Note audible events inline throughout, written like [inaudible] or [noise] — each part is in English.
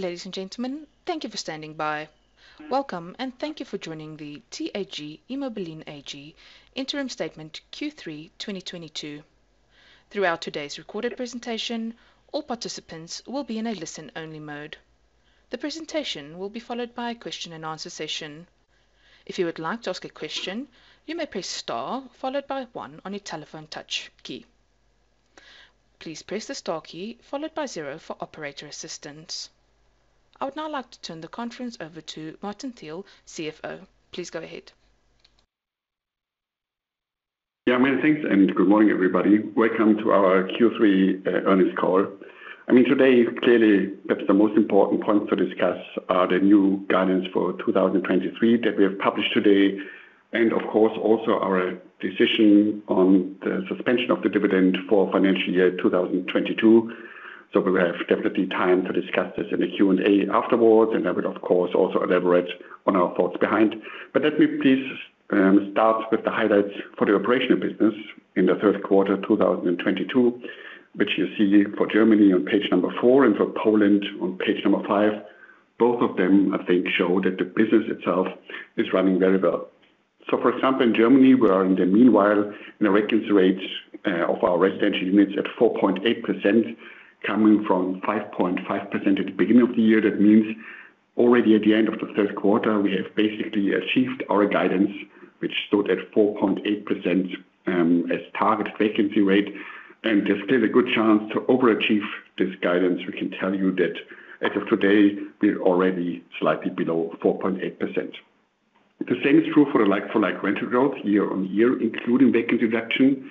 Ladies and gentlemen, thank you for standing by. Welcome and thank you for joining the TAG Immobilien AG Interim Statement Q3 2022. Throughout today's recorded presentation, all participants will be in a listen-only mode. The presentation will be followed by a question and answer session. If you would like to ask a question, you may press star followed by one on your telephone touch key. Please press the star key followed by zero for operator assistance. I would now like to turn the conference over to Martin Thiel, CFO. Please go ahead. Yeah, many thanks, good morning, everybody. Welcome to our Q3 earnings call. I mean today, clearly, perhaps the most important points to discuss are the new guidance for 2023 that we have published today, and of course, also our decision on the suspension of the dividend for financial year 2022. We will have definitely time to discuss this in the Q&A afterwards, and I will of course also elaborate on our thoughts behind. Let me please start with the highlights for the operational business in the third quarter 2022, which you see for Germany on page number four and for Poland on page number five. Both of them, I think, show that the business itself is running very well. For example, in Germany, we are in the meanwhile in a vacancy rate of our residential units at 4.8%, coming from 5.5% at the beginning of the year. Means already at the end of the third quarter, we have basically achieved our guidance, which stood at 4.8% as target vacancy rate, and there's still a good chance to overachieve this guidance. We can tell you that as of today, we're already slightly below 4.8%. Same is true for the like-for-like rental growth year-on-year, including vacancy reduction.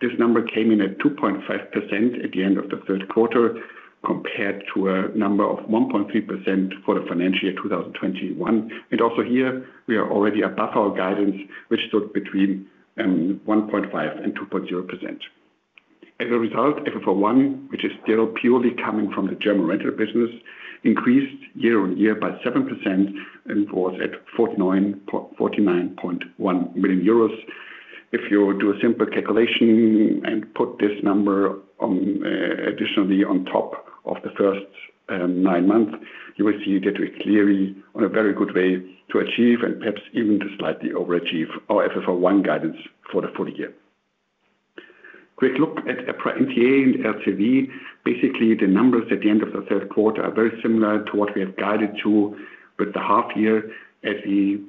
This number came in at 2.5% at the end of the third quarter compared to a number of 1.3% for the financial year 2021. Also here, we are already above our guidance, which stood between 1.5% and 2.0%. As a result, FFO I, which is still purely coming from the German rental business, increased year-on-year by 7% and was at 49.1 million euros. If you do a simple calculation and put this number additionally on top of the first nine months, you will see that we're clearly on a very good way to achieve and perhaps even to slightly overachieve our FFO I guidance for the full year. Quick look at EPRA NTA and LTV. Basically, the numbers at the end of the third quarter are very similar to what we have guided to with the half year as we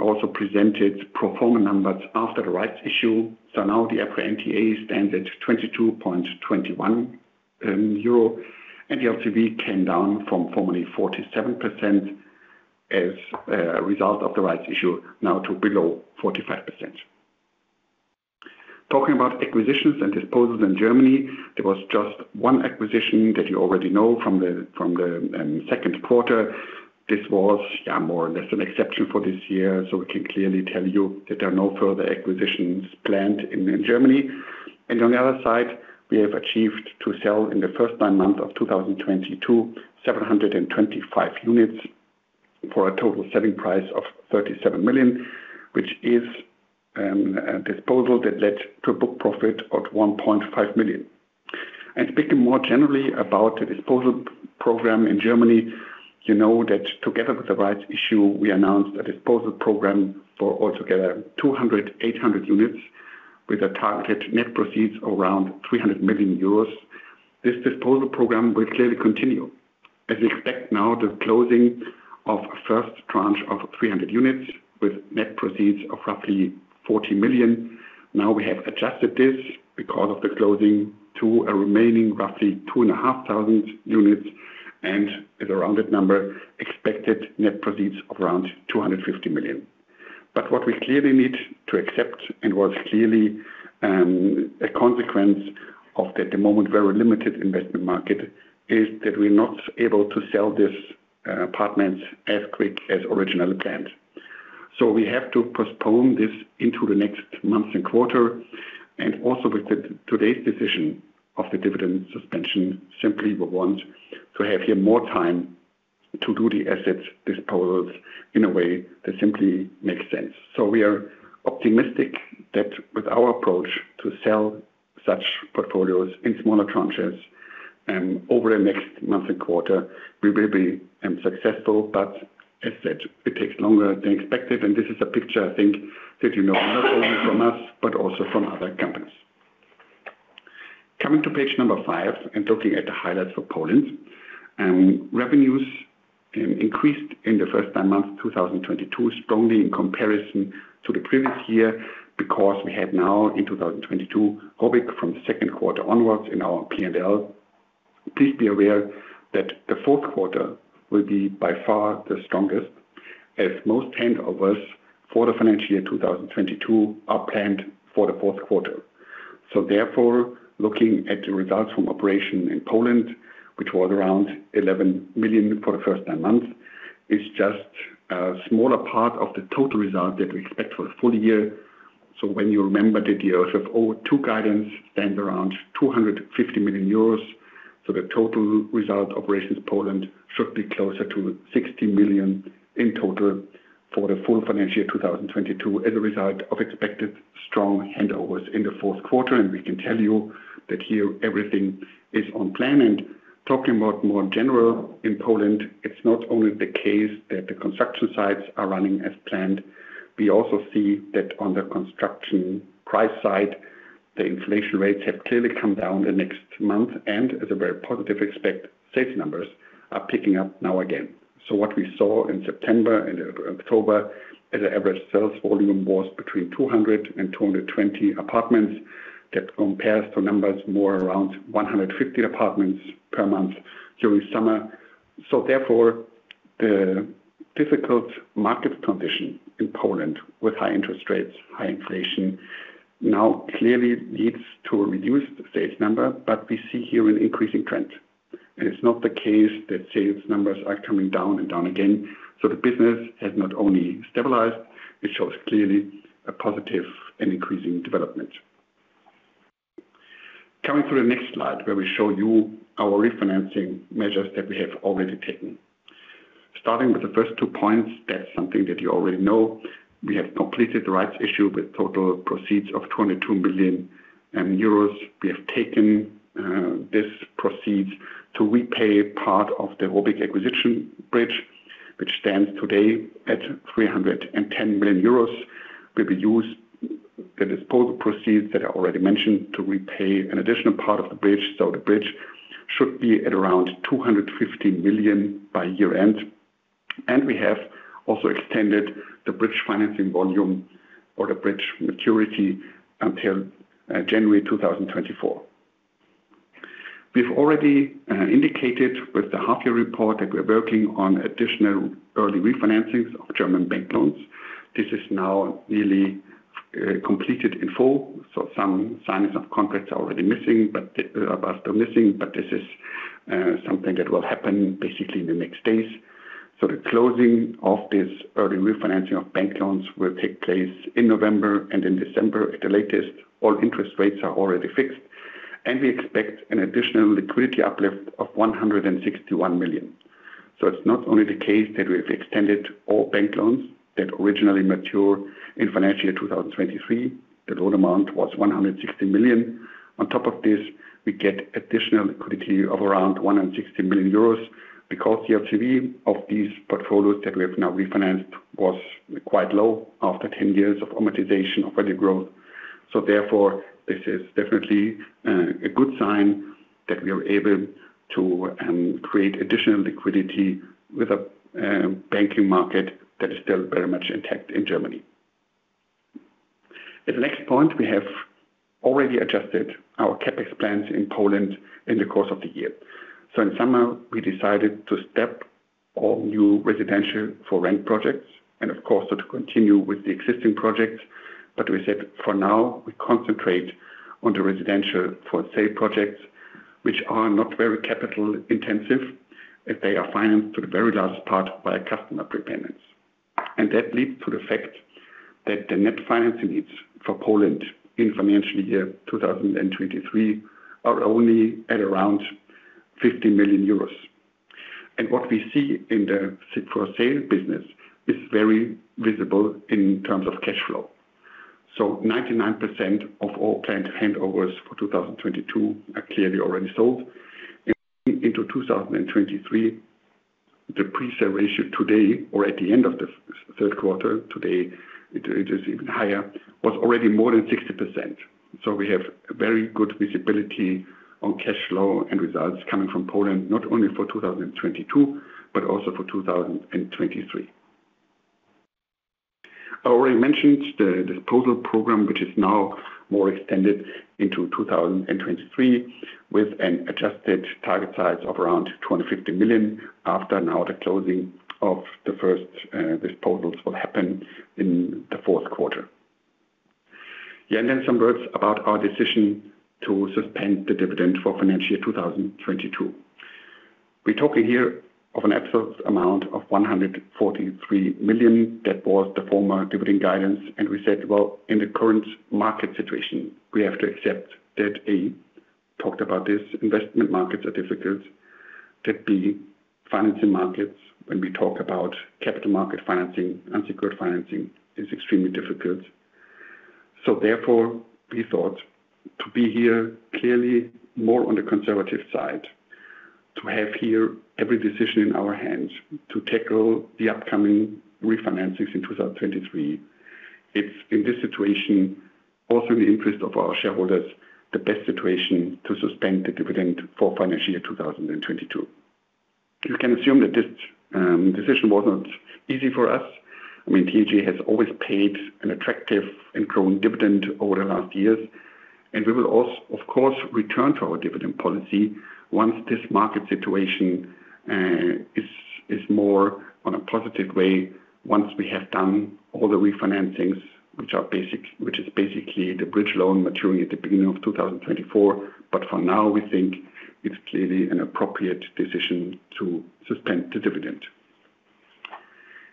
also presented pro forma numbers after the rights issue. Now the EPRA NTA stands at EUR 22.21, and the LTV came down from formerly 47% as a result of the rights issue now to below 45%. Talking about acquisitions and disposals in Germany, there was just one acquisition that you already know from the, from the second quarter. This was, yeah, more or less an exception for this year, we can clearly tell you that there are no further acquisitions planned in Germany. On the other side, we have achieved to sell in the first nine months of 2022 725 units for a total selling price of 37 million, which is a disposal that led to a book profit of 1.5 million. Speaking more generally about the disposal program in Germany, you know that together with the rights issue, we announced a disposal program for altogether 200 800 units with a targeted net proceeds around 300 million euros. This disposal program will clearly continue as we expect now the closing of a first tranche of 300 units with net proceeds of roughly 40 million. We have adjusted this because of the closing to a remaining roughly 2,500 units and with a rounded number expected net proceeds of around 250 million. What we clearly need to accept and what is clearly a consequence of the at the moment very limited investment market is that we're not able to sell these apartments as quick as originally planned. We have to postpone this into the next months and quarter and also with the today's decision of the dividend suspension, simply we want to have here more time to do the assets disposals in a way that simply makes sense. We are optimistic that with our approach to sell such portfolios in smaller tranches over the next months and quarter, we will be successful, but as said, it takes longer than expected. This is a picture I think that you know not only from us, but also from other companies. Coming to page number five and looking at the highlights for Poland, revenues increased in the first nine months 2022 strongly in comparison to the previous year because we have now in 2022 Hoppegarten from the second quarter onwards in our P&L. Please be aware that the fourth quarter will be by far the strongest as most handovers for the financial year 2022 are planned for the fourth quarter. Therefore, looking at the results from operation in Poland, which was around 11 million for the first nine months, is just a smaller part of the total result that we expect for the full year. When you remember that the FFO II guidance stands around 250 million euros, the total result operations Poland should be closer to 60 million in total. For the full financial year 2022 as a result of expected strong handovers in the fourth quarter. We can tell you that here everything is on plan. Talking about more general in Poland, it's not only the case that the construction sites are running as planned. We also see that on the construction price side, the inflation rates have clearly come down the next month and as a very positive expect sales numbers are picking up now again. What we saw in September and October as an average sales volume was between 200 and 220 apartments. That compares to numbers more around 150 apartments per month during summer. Therefore, the difficult market condition in Poland with high interest rates, high inflation now clearly leads to a reduced sales number. We see here an increasing trend, and it's not the case that sales numbers are coming down and down again. The business has not only stabilized, it shows clearly a positive and increasing development. Coming to the next slide where we show you our refinancing measures that we have already taken. Starting with the first two points, that's something that you already know. We have completed the rights issue with total proceeds of 22 million euros. We have taken this proceeds to repay part of the ROBYG acquisition bridge, which stands today at 310 million euros. We will use the disposal proceeds that are already mentioned to repay an additional part of the bridge. The bridge should be at around 250 million by year-end. We have also extended the bridge financing volume or the bridge maturity until January 2024. We've already indicated with the half year report that we're working on additional early refinancings of German bank loans. This is now nearly completed in full. Some signings of contracts are already missing, are still missing. This is something that will happen basically in the next days. The closing of this early refinancing of bank loans will take place in November and in December at the latest. All interest rates are already fixed, and we expect an additional liquidity uplift of 161 million. It's not only the case that we've extended all bank loans that originally mature in financial year 2023. The loan amount was 160 million. On top of this, we get additional liquidity of around 160 million euros because the LTV of these portfolios that we have now refinanced was quite low after 10 years of amortization of early growth. Therefore, this is definitely a good sign that we are able to create additional liquidity with a banking market that is still very much intact in Germany. At the next point, we have already adjusted our CapEx plans in Poland in the course of the year. In summer, we decided to step all new residential for rent projects and of course, to continue with the existing projects. We said for now we concentrate on the residential for sale projects, which are not very capital intensive if they are financed to the very large part by customer pre-payments. That leads to the fact that the net financing needs for Poland in financial year 2023 are only at around 50 million euros. What we see in the sig for sale business is very visible in terms of cash flow. 99% of all planned handovers for 2022 are clearly already sold. Into 2023, the pre-sale ratio today or at the end of the third quarter today, it is even higher, was already more than 60%. We have very good visibility on cash flow and results coming from Poland, not only for 2022, but also for 2023. I already mentioned the disposal program, which is now more extended into 2023 with an adjusted target size of around 250 million after now the closing of the first disposals will happen in the fourth quarter. Some words about our decision to suspend the dividend for financial year 2022. We're talking here of an absolute amount of 143 million. That was the former dividend guidance. We said, well, in the current market situation, we have to accept that, A, talked about this investment markets are difficult. That B, financing markets when we talk about capital market financing, unsecured financing is extremely difficult. Therefore, we thought to be here clearly more on the conservative side, to have here every decision in our hands to tackle the upcoming refinancings in 2023. It's in this situation also in the interest of our shareholders, the best situation to suspend the dividend for financial year 2022. You can assume that this decision wasn't easy for us. I mean, TAG has always paid an attractive and growing dividend over the last years, and we will of course, return to our dividend policy once this market situation is more on a positive way, once we have done all the refinancings, which is basically the bridge loan maturing at the beginning of 2024. For now, we think it's clearly an appropriate decision to suspend the dividend.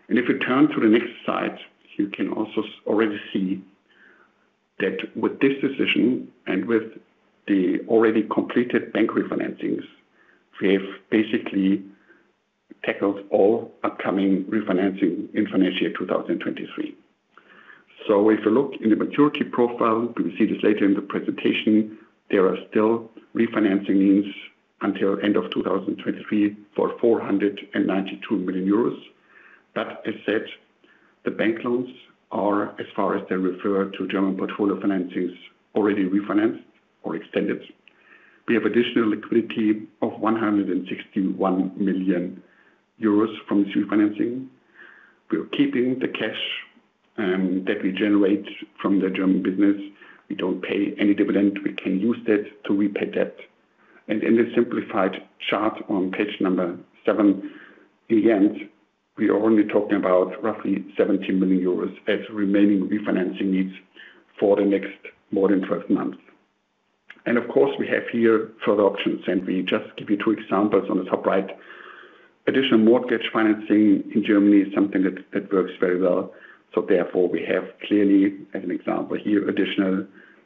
If we turn to the next slide, you can also already see that with this decision and with the already completed bank refinancings, we have basically tackled all upcoming refinancing in financial year 2023. If you look in the maturity profile, we will see this later in the presentation, there are still refinancing needs until end of 2023 for 492 million euros. That is said, the bank loans are as far as they refer to German portfolio financings already refinanced or extended. We have additional liquidity of 161 million euros from this refinancing. We are keeping the cash that we generate from the German business. We don't pay any dividend. We can use that to repay debt. In the simplified chart on page number seven, again, we are only talking about roughly 70 million euros as remaining refinancing needs for the next more than 12 months. Of course, we have here further options, and we just give you two examples on the top right. Additional mortgage financing in Germany is something that works very well. Therefore, we have clearly as an example here, additional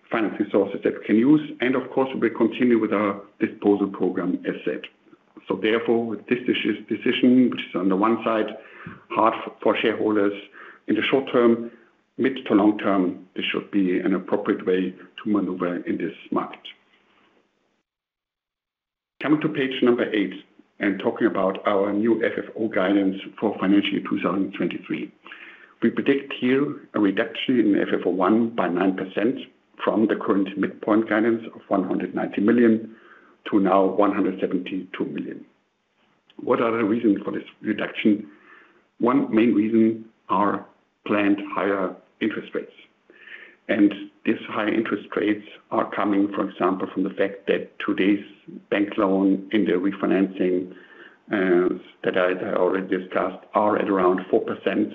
financing sources that we can use. Of course, we will continue with our disposal program as said. Therefore, with this decision, which is on the one side hard for shareholders in the short term, mid to long term, this should be an appropriate way to maneuver in this market. Coming to page number eight and talking about our new FFO guidance for financial year 2023. We predict here a reduction in FFO I by 9% from the current midpoint guidance of 190 million to now 172 million. What are the reasons for this reduction? One main reason are planned higher interest rates. These high interest rates are coming, for example, from the fact that today's bank loan in the refinancing that I already discussed, are at around 4%.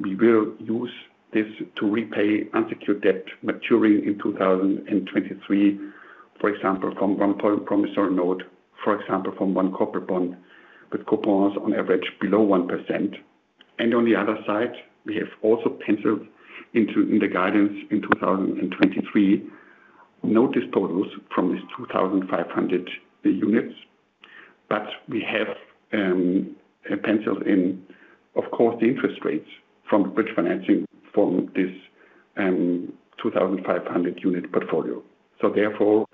We will use this to repay unsecured debt maturing in 2023, for example, from one promissory note, for example, from one corporate bond with coupons on average below 1%. On the other side, we have also penciled in the guidance in 2023, no disposals from these 2,500 units. We have penciled in, of course, the interest rates from the bridge financing from this 2,500 unit portfolio. Therefore,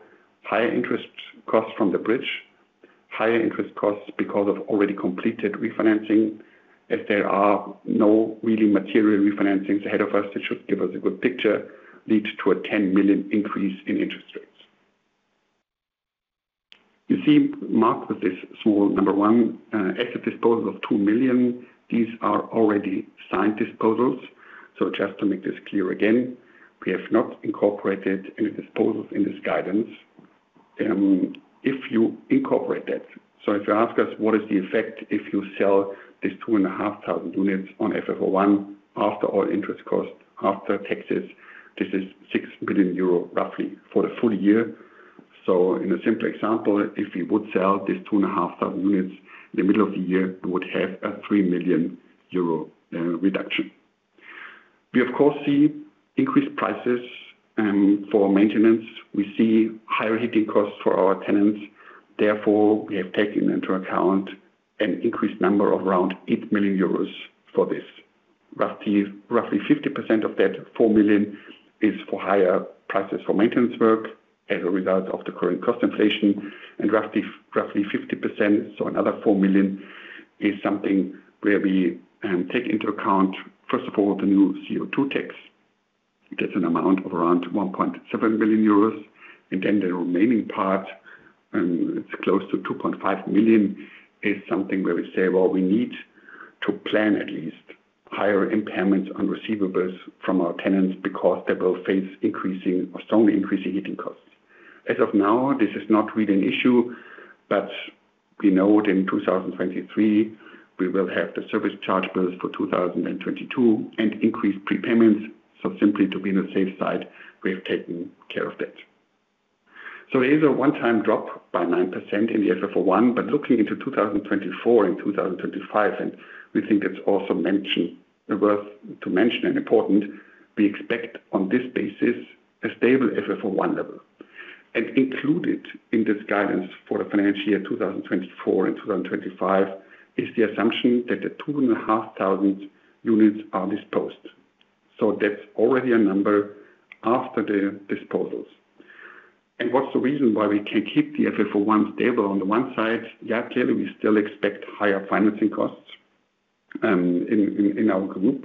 higher interest costs from the bridge, higher interest costs because of already completed refinancing. There are no really material refinancings ahead of us that should give us a good picture leads to a 10 million increase in interest rates. You see marked with this small number one, asset disposal of 2 million. These are already signed disposals. Just to make this clear again, we have not incorporated any disposals in this guidance. If you incorporate that, if you ask us what is the effect if you sell these 2,500 units on FFO I after all interest costs, after taxes, this is 6 billion euro roughly for the full year. In a simple example, if we would sell these 2,500 units in the middle of the year, we would have a 3 million euro reduction. We of course see increased prices for maintenance. We see higher heating costs for our tenants. Therefore, we have taken into account an increased number of around 8 million euros for this. Roughly 50% of that 4 million is for higher prices for maintenance work as a result of the current cost inflation, roughly 50%, another 4 million, is something where we take into account, first of all, the new CO2 tax. That's an amount of around 1.7 million euros. The remaining part, it's close to 2.5 million, is something where we say, "Well, we need to plan at least higher impairments on receivables from our tenants because they will face increasing or strongly increasing heating costs." As of now, this is not really an issue, but we know that in 2023, we will have the service charge bills for 2022 and increased prepayments. Simply to be in a safe side, we have taken care of that. It is a one-time drop by 9% in the FFO I, but looking into 2024 and 2025, worth to mention and important, we expect on this basis a stable FFO I level. Included in this guidance for the financial year 2024 and 2025 is the assumption that the 2,500 units are disposed. That's already a number after the disposals. What's the reason why we can keep the FFO I stable on the one side? Clearly, we still expect higher financing costs in our group,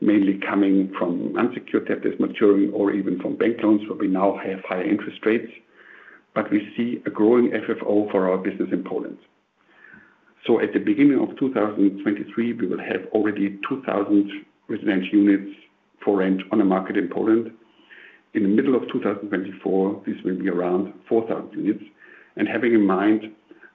mainly coming from unsecured debt that's maturing or even from bank loans where we now have higher interest rates. We see a growing FFO for our business in Poland. At the beginning of 2023, we will have already 2,000 residential units for rent on the market in Poland. In the middle of 2024, this will be around 4,000 units. Having in mind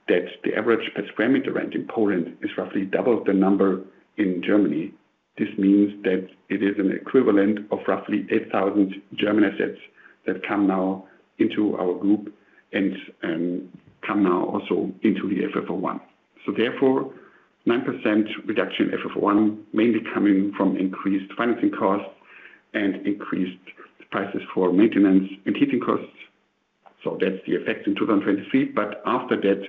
that the average per square meter rent in Poland is roughly double the number in Germany, this means that it is an equivalent of roughly 8,000 German assets that come now into our group and come now also into the FFO I. Therefore, 9% reduction FFO I mainly coming from increased financing costs and increased prices for maintenance and heating costs. That's the effect in 2023, but after that,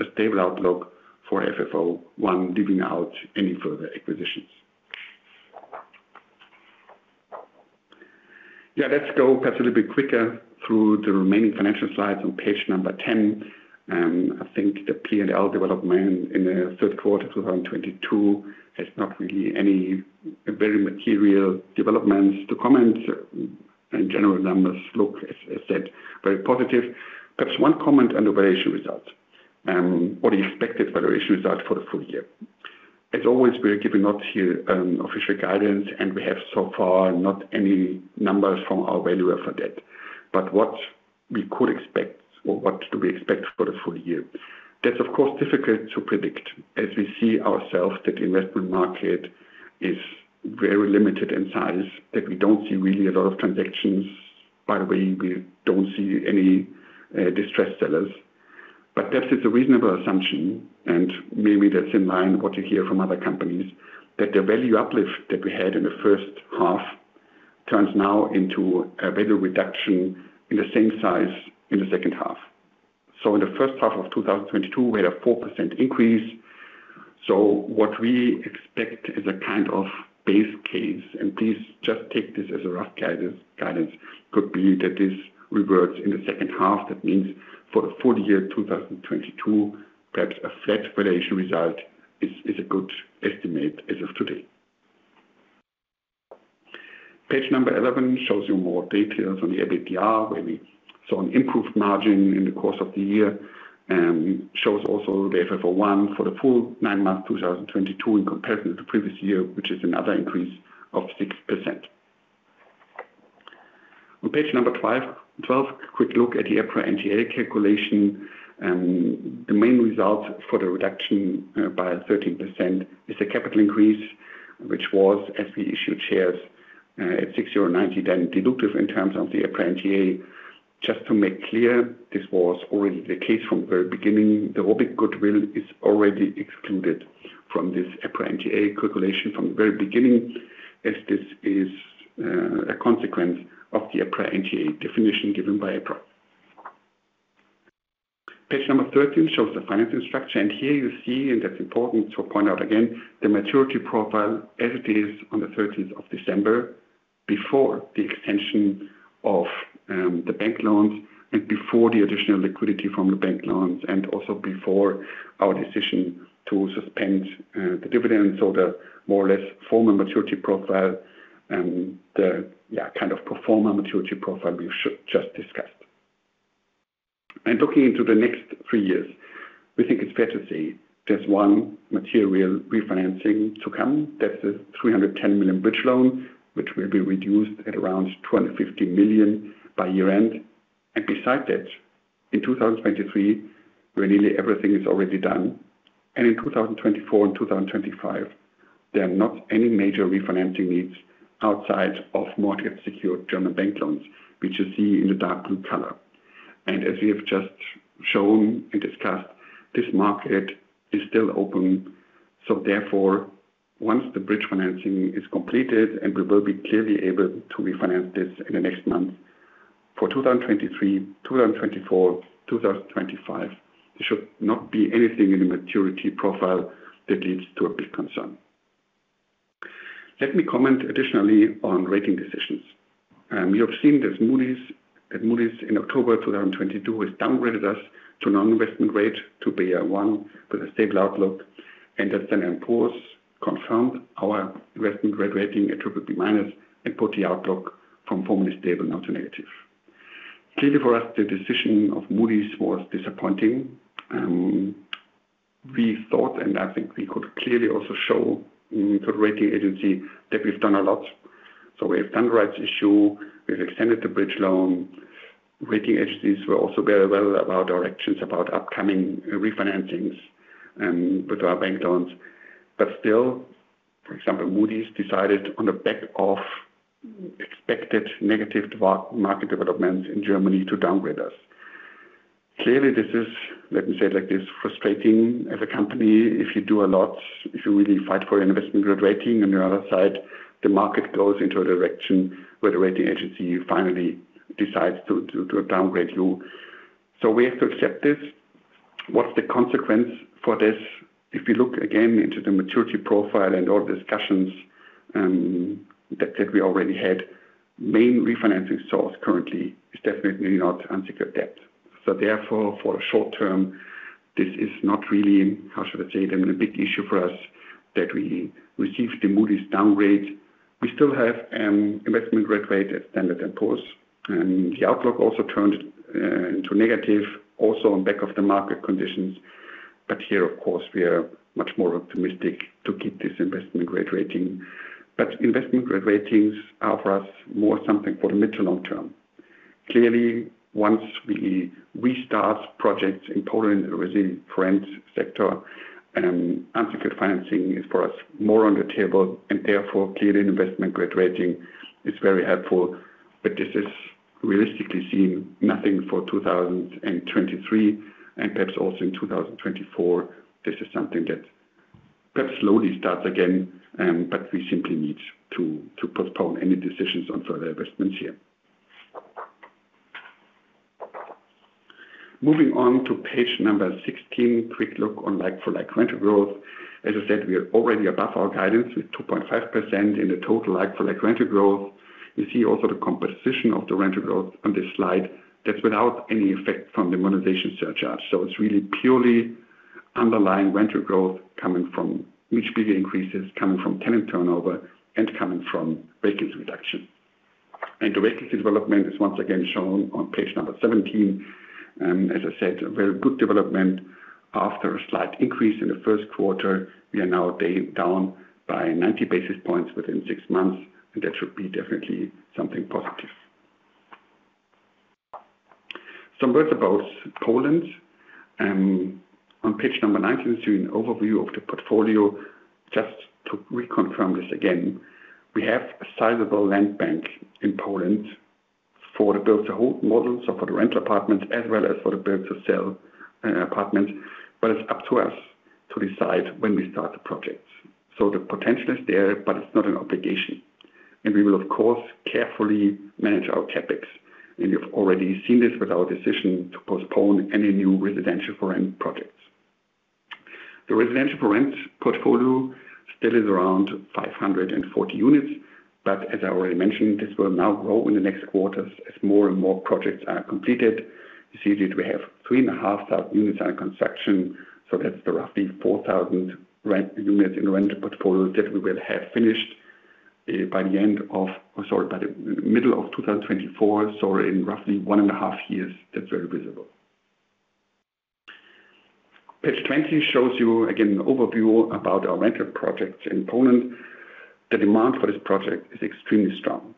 a stable outlook for FFO I, leaving out any further acquisitions. Let's go perhaps a little bit quicker through the remaining financial slides on page 10. I think the PNL development in the 3rd quarter of 2022 has not really any very material developments to comment. In general, numbers look, as said, very positive. Perhaps one comment on the valuation result, or the expected valuation result for the full year. As always, we are giving out here, official guidance, and we have so far not any numbers from our valuer for that. What we could expect or what do we expect for the full year? That's of course, difficult to predict as we see ourselves that investment market is very limited in size, that we don't see really a lot of transactions. By the way, we don't see any distressed sellers. Perhaps it's a reasonable assumption, and maybe that's in line what you hear from other companies, that the value uplift that we had in the first half turns now into a value reduction in the same size in the second half. In the first half of 2022, we had a 4% increase. What we expect is a kind of base case, and please just take this as a rough guidance could be that this reverts in the second half. That means for the full year 2022, perhaps a flat valuation result is a good estimate as of today. Page number 11 shows you more details on the EBITDA, where we saw an improved margin in the course of the year, shows also the FFO I for the full nine months 2022 in comparison to the previous year, which is another increase of 6%. Page number 12, quick look at the EPRA NTA calculation. The main result for the reduction, by 13% is a capital increase, which was as we issued shares, at 6.90 euro then dilutive in terms of the EPRA NTA. Just to make clear, this was already the case from the very beginning. The ROBYG goodwill is already excluded from this EPRA NTA calculation from the very beginning, as this is a consequence of the EPRA NTA definition given by EPRA. Page number 13 shows the financing structure. Here you see, and that's important to point out again, the maturity profile as it is on the 13th of December before the extension of the bank loans and before the additional liquidity from the bank loans and also before our decision to suspend the dividends. The more or less formal maturity profile and the, yeah, kind of pro forma maturity profile we just discussed. Looking into the next three years, we think it's fair to say there's one material refinancing to come. That's the 310 million bridge loan, which will be reduced at around 250 million by year-end. Beside that, in 2023, where nearly everything is already done, in 2024 and 2025, there are not any major refinancing needs outside of mortgage-secured German bank loans, which you see in the dark blue color. As we have just shown and discussed, this market is still open. Therefore, once the bridge financing is completed, and we will be clearly able to refinance this in the next months, for 2023, 2024, 2025, there should not be anything in the maturity profile that leads to a big concern. Let me comment additionally on rating decisions. You have seen that Moody's in October 2022, has downgraded us to non-investment grade to Ba1 with a stable outlook, and that Standard & Poor's confirmed our investment grade rating at BBB- and put the outlook from formerly stable now to negative. Clearly, for us, the decision of Moody's was disappointing. We thought, and I think we could clearly also show to the rating agency that we've done a lot. We have done the rights issue, we've extended the bridge loan. Rating agencies were also very well about our actions, about upcoming refinancings with our bank loans. Still, for example, Moody's decided on the back of expected negative market developments in Germany to downgrade us. Clearly, this is, let me say it like this, frustrating as a company if you do a lot, if you really fight for your investment grade rating, on the other side, the market goes into a direction where the rating agency finally decides to downgrade you. We have to accept this. What's the consequence for this? If you look again into the maturity profile and all discussions that we already had, main refinancing source currently is definitely not unsecured debt. Therefore, for the short term, this is not really, how should I say, then a big issue for us that we received the Moody's downgrade. We still have investment grade rating at Standard & Poor's, and the outlook also turned into negative also on back of the market conditions. Here, of course, we are much more optimistic to keep this investment grade rating. Investment grade ratings are for us more something for the mid to long term. Clearly, once we restart projects in Poland within the rent sector, unsecured financing is for us more on the table and therefore, clearly an investment grade rating is very helpful. This is realistically seeing nothing for 2023 and perhaps also in 2024. This is something that perhaps slowly starts again, but we simply need to postpone any decisions on further investments here. Moving on to page number 16, quick look on like-for-like rental growth. As I said, we are already above our guidance with 2.5% in the total like-for-like rental growth. You see also the composition of the rental growth on this slide. That's without any effect from the modernization surcharge. It's really purely underlying rental growth coming from which bigger increases coming from tenant turnover and coming from vacancy reduction. The vacancy development is once again shown on page number 17. As I said, a very good development. After a slight increase in the first quarter, we are now down by 90 basis points within six months, and that should be definitely something positive. Some words about Poland. On page number 19, you see an overview of the portfolio. Just to reconfirm this again, we have a sizable land bank in Poland for the build to hold model, so for the rental apartments as well as for the build to sell apartments. It's up to us to decide when we start the projects. The potential is there, but it's not an obligation. We will of course carefully manage our CapEx. You've already seen this with our decision to postpone any new residential for rent projects. The residential for rent portfolio still is around 540 units. As I already mentioned, this will now grow in the next quarters as more and more projects are completed. You see that we have 3,500 units under construction, so that's roughly 4,000 re-units in the rental portfolio that we will have finished by the middle of 2024. In roughly one and a half years. That's very visible. Page 20 shows you again an overview about our rental projects in Poland. The demand for this project is extremely strong,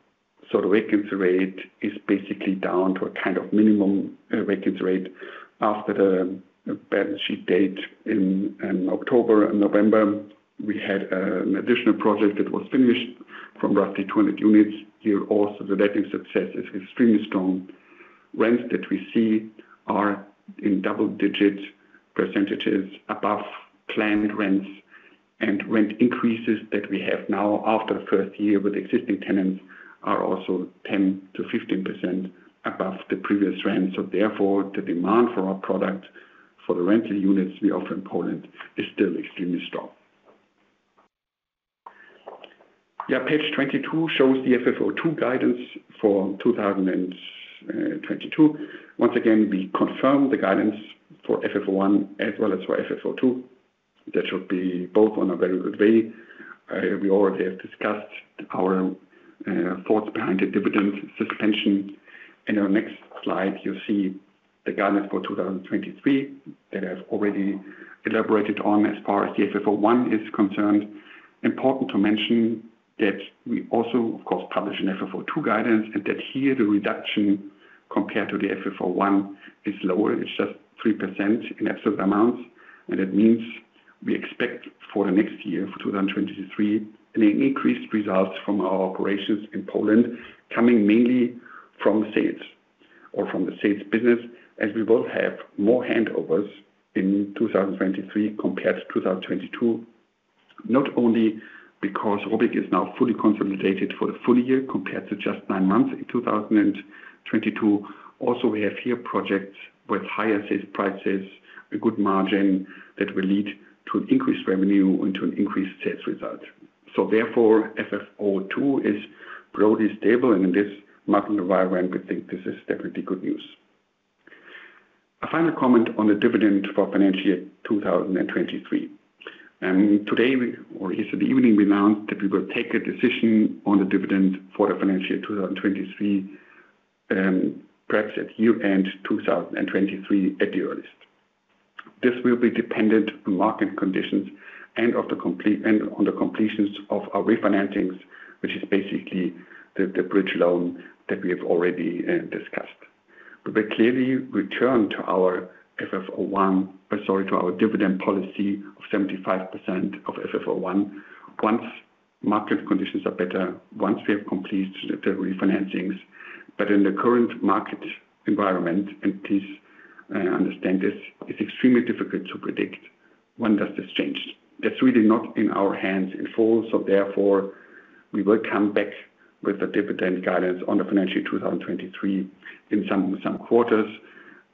so the vacancy rate is basically down to a kind of minimum vacancy rate. After the balance sheet date in October and November, we had an additional project that was finished from roughly 200 units. Here also the letting success is extremely strong. Rents that we see are in double-digit % above planned rents. Rent increases that we have now after the first year with existing tenants are also 10%-15% above the previous rent. Therefore, the demand for our product for the rental units we offer in Poland is still extremely strong. Page 22 shows the FFO II guidance for 2022. Once again, we confirm the guidance for FFO I as well as for FFO II. That should be both on a very good way. We already have discussed our thoughts behind the dividend suspension. In our next slide, you see the guidance for 2023 that I've already elaborated on as far as the FFO I is concerned. Important to mention that we also of course publish an FFO II guidance, and that here the reduction compared to the FFO I is lower. It's just 3% in absolute amounts, and it means we expect for the next year, for 2023, an increased results from our operations in Poland, coming mainly from sales or from the sales business, as we will have more handovers in 2023 compared to 2022. Not only because ROBYG is now fully consolidated for the full year compared to just nine months in 2022. We have here projects with higher sales prices, a good margin that will lead to an increased revenue and to an increased sales result. Therefore FFO II is broadly stable and in this market environment, we think this is definitely good news. A final comment on the dividend for financial year 2023. Today we, or yesterday evening, we announced that we will take a decision on the dividend for the financial year 2023, perhaps at year-end 2023 at the earliest. This will be dependent on market conditions and on the completions of our refinancings, which is basically the bridge loan that we have already discussed. We clearly return to our FFO I... to our dividend policy of 75% of FFO I once market conditions are better, once we have completed the refinancings. In the current market environment, and please understand this, it's extremely difficult to predict when does this change. That's really not in our hands in full. Therefore we will come back with the dividend guidance on the financial year 2023 in some quarters.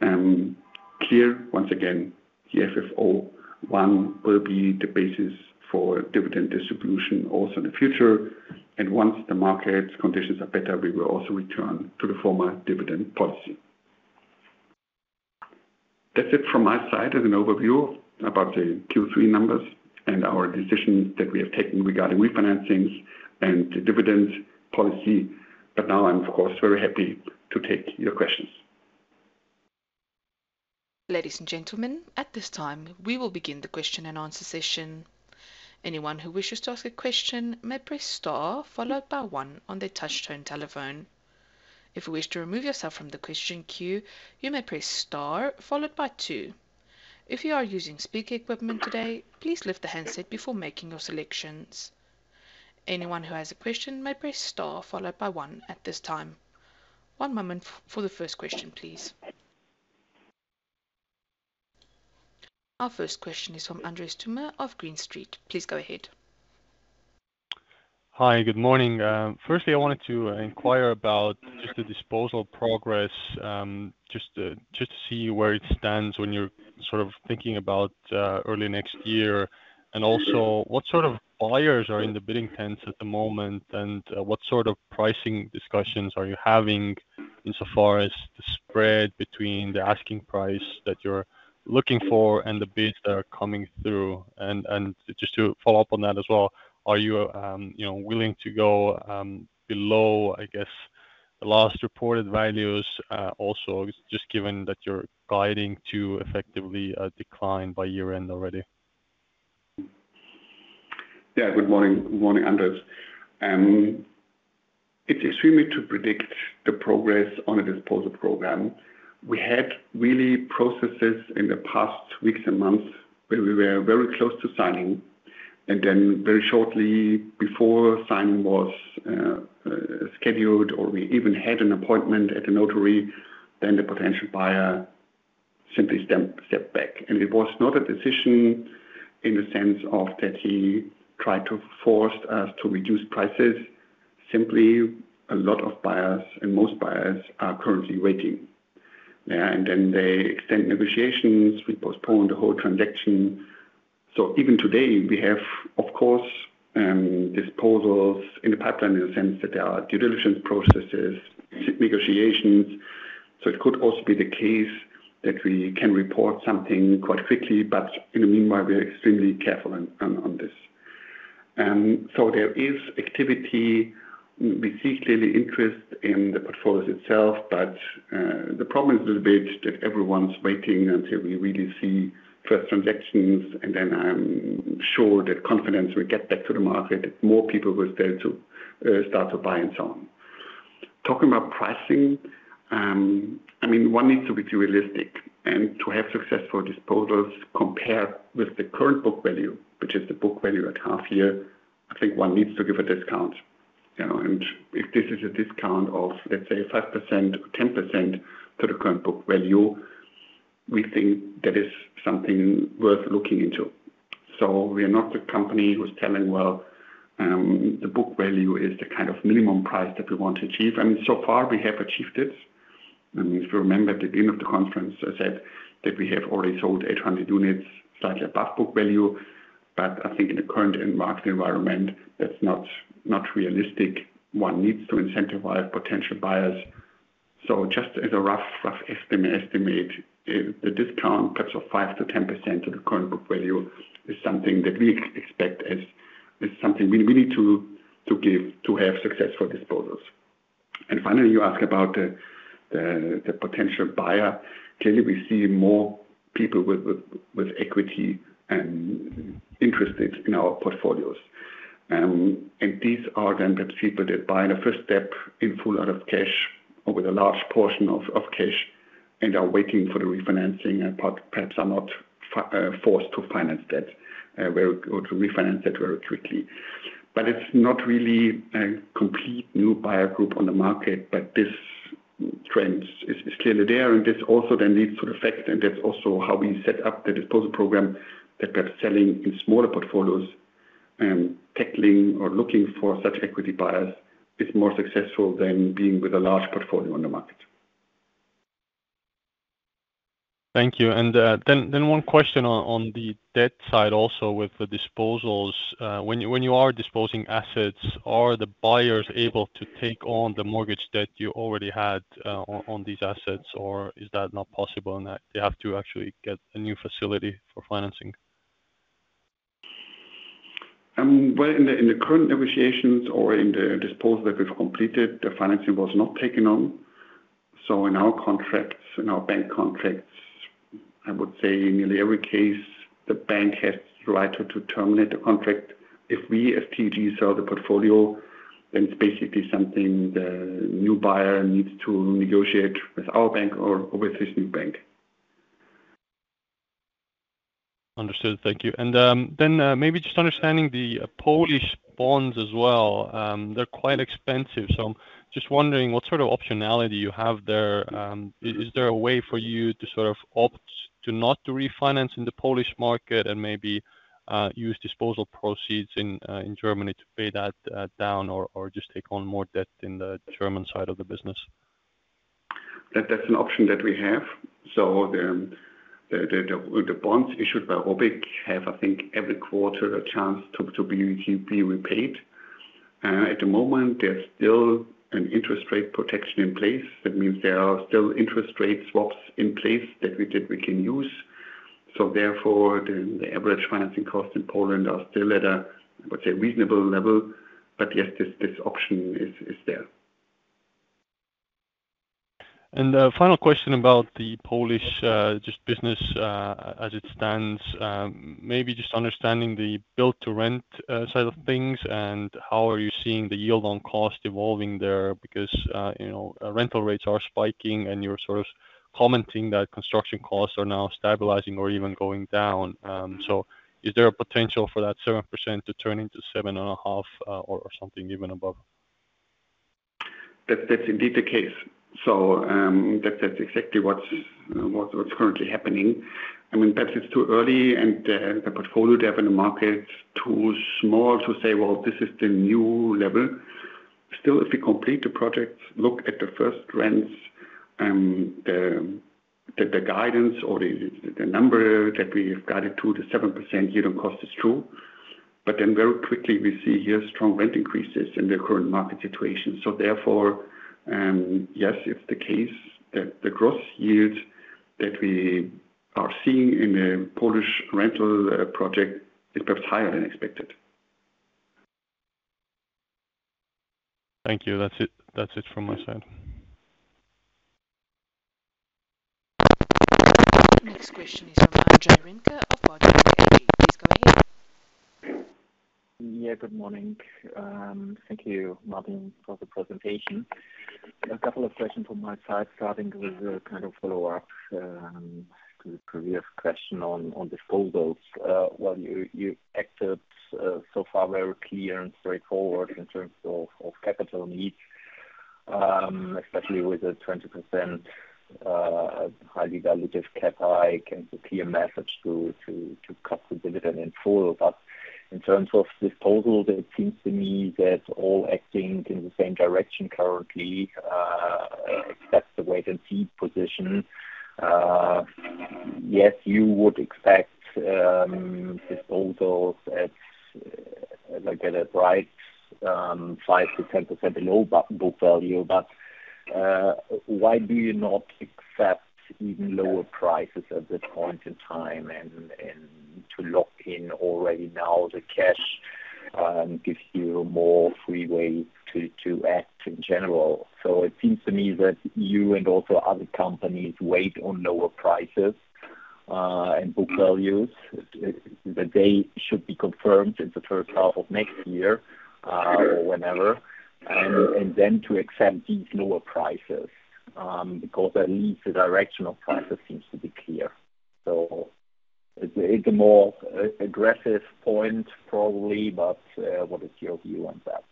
Clear, once again, the FFO I will be the basis for dividend distribution also in the future. Once the market conditions are better, we will also return to the former dividend policy. That's it from my side as an overview about the Q3 numbers and our decisions that we have taken regarding refinancings and the dividend policy. Now I'm of course very happy to take your questions. Ladies and gentlemen, at this time, we will begin the question and answer session. Anyone who wishes to ask a question may press star followed by one on their touchtone telephone. If you wish to remove yourself from the question queue, you may press star followed by two. If you are using speaker equipment today, please lift the handset before making your selections. Anyone who has a question may press star followed by one at this time. One moment for the first question, please. Our first question is from Andres Toome of Green Street. Please go ahead. Hi. Good morning. Firstly, I wanted to inquire about just the disposal progress, just to see where it stands when you're sort of thinking about early next year. What sort of buyers are in the bidding tents at the moment, and what sort of pricing discussions are you having insofar as the spread between the asking price that you're looking for and the bids that are coming through? Just to follow up on that as well, are you know, willing to go below, I guess, the last reported values, also just given that you're guiding to effectively a decline by year-end already? Yeah. Good morning. Good morning, Andres. It's extremely to predict the progress on a disposal program. We had really processes in the past weeks and months where we were very close to signing and then very shortly before signing was scheduled or we even had an appointment at the notary, then the potential buyer simply stepped back. It was not a decision in the sense of that he tried to force us to reduce prices. Simply a lot of buyers and most buyers are currently waiting. Then they extend negotiations. We postpone the whole transaction. Even today we have, of course, disposals in the pipeline in the sense that there are due diligence processes, negotiations. It could also be the case that we can report something quite quickly, but in the meanwhile we're extremely careful on this. There is activity. We see clearly interest in the portfolios itself, the problem is a little bit that everyone's waiting until we really see first transactions, I'm sure that confidence will get back to the market, more people will start to buy and so on. Talking about pricing, I mean, one needs to be realistic and to have successful disposals compared with the current book value, which is the book value at half year. I think one needs to give a discount, you know. If this is a discount of, let's say, 5% or 10% to the current book value, we think that is something worth looking into. We are not the company who's telling, well, the book value is the kind of minimum price that we want to achieve. I mean, so far we have achieved it. If you remember at the beginning of the conference, I said that we have already sold 800 units, slightly above book value. I think in the current end market environment, that's not realistic. One needs to incentivize potential buyers. Just as a rough estimate, the discount perhaps of 5%-10% of the current book value is something that we expect as is something we need to give to have successful disposals. Finally, you ask about the potential buyer. Clearly we see more people with equity interested in our portfolios. These are then perhaps people that buy in the first step in full out of cash or with a large portion of cash and are waiting for the refinancing and perhaps are not forced to finance that very or to refinance that very quickly. It's not really a complete new buyer group on the market. This trend is clearly there, and this also then leads to the fact that that's also how we set up the disposal program that perhaps selling in smaller portfolios, tackling or looking for such equity buyers is more successful than being with a large portfolio on the market. Thank you. Then one question on the debt side also with the disposals. When you are disposing assets, are the buyers able to take on the mortgage debt you already had on these assets, or is that not possible and that they have to actually get a new facility for financing? Well, in the current negotiations or in the disposal that we've completed, the financing was not taken on. In our contracts, in our bank contracts, I would say in nearly every case, the bank has the right to terminate the contract. If we as TAG sell the portfolio, then it's basically something the new buyer needs to negotiate with our bank or with his new bank. Understood. Thank you. Maybe just understanding the Polish bonds as well. They're quite expensive, so I'm just wondering what sort of optionality you have there. Is there a way for you to sort of opt to not to refinance in the Polish market and maybe use disposal proceeds in Germany to pay that down or just take on more debt in the German side of the business? That is an option that we have. The bonds issued by ROBYG have, I think, every quarter a chance to be repaid. At the moment there's still an interest rate protection in place. That means there are still interest rate swaps in place that we can use. Therefore the average financing costs in Poland are still at a, I would say, reasonable level. Yes, this option is there. A final question about the Polish just business as it stands, maybe just understanding the build to rent side of things and how are you seeing the yield on cost evolving there because, you know, rental rates are spiking and you're sort of commenting that construction costs are now stabilizing or even going down. Is there a potential for that 7% to turn into 7.5% or something even above? That's indeed the case. That's exactly what's currently happening. I mean, perhaps it's too early and the portfolio to have in the market is too small to say, "Well, this is the new level." Still, if we complete the projects, look at the first rents and the guidance or the number that we have guided to, the 7% yield on cost is true. Very quickly we see here strong rent increases in the current market situation. Therefore, yes, it's the case that the gross yields that we are seeing in the Polish rental project is perhaps higher than expected. Thank you. That's it from my side. Next question is from André Remke of Baader Bank. Yeah, good morning. Thank you, Martin, for the presentation. A couple of questions from my side, starting with a kind of follow-up to the previous question on disposals. While you've acted so far very clear and straightforward in terms of capital needs, especially with the 20% highly dilutive cap hike, and the clear message to cut the dividend in full. In terms of disposal, it seems to me that all acting in the same direction currently, except the wait-and-see position. Yes, you would expect disposals at like a price 5%-10% below book value, why do you not accept even lower prices at this point in time and to lock in already now the cash gives you more freeway to act in general? It seems to me that you and also other companies wait on lower prices, and book values that they should be confirmed in the 1st half of next year, or whenever, and then to accept these lower prices, because at least the direction of prices seems to be clear. It's a more aggressive point probably, but, what is your view on that?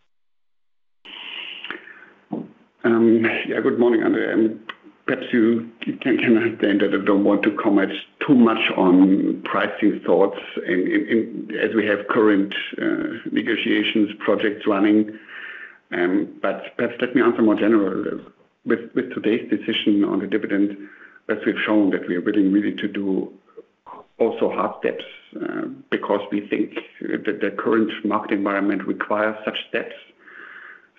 Good morning, André. Perhaps you can understand that I don't want to comment too much on pricing thoughts as we have current negotiations, projects running. Perhaps let me answer more general. With today's decision on the dividend, as we've shown that we are willing really to do also hard debts, because we think that the current market environment requires such debts.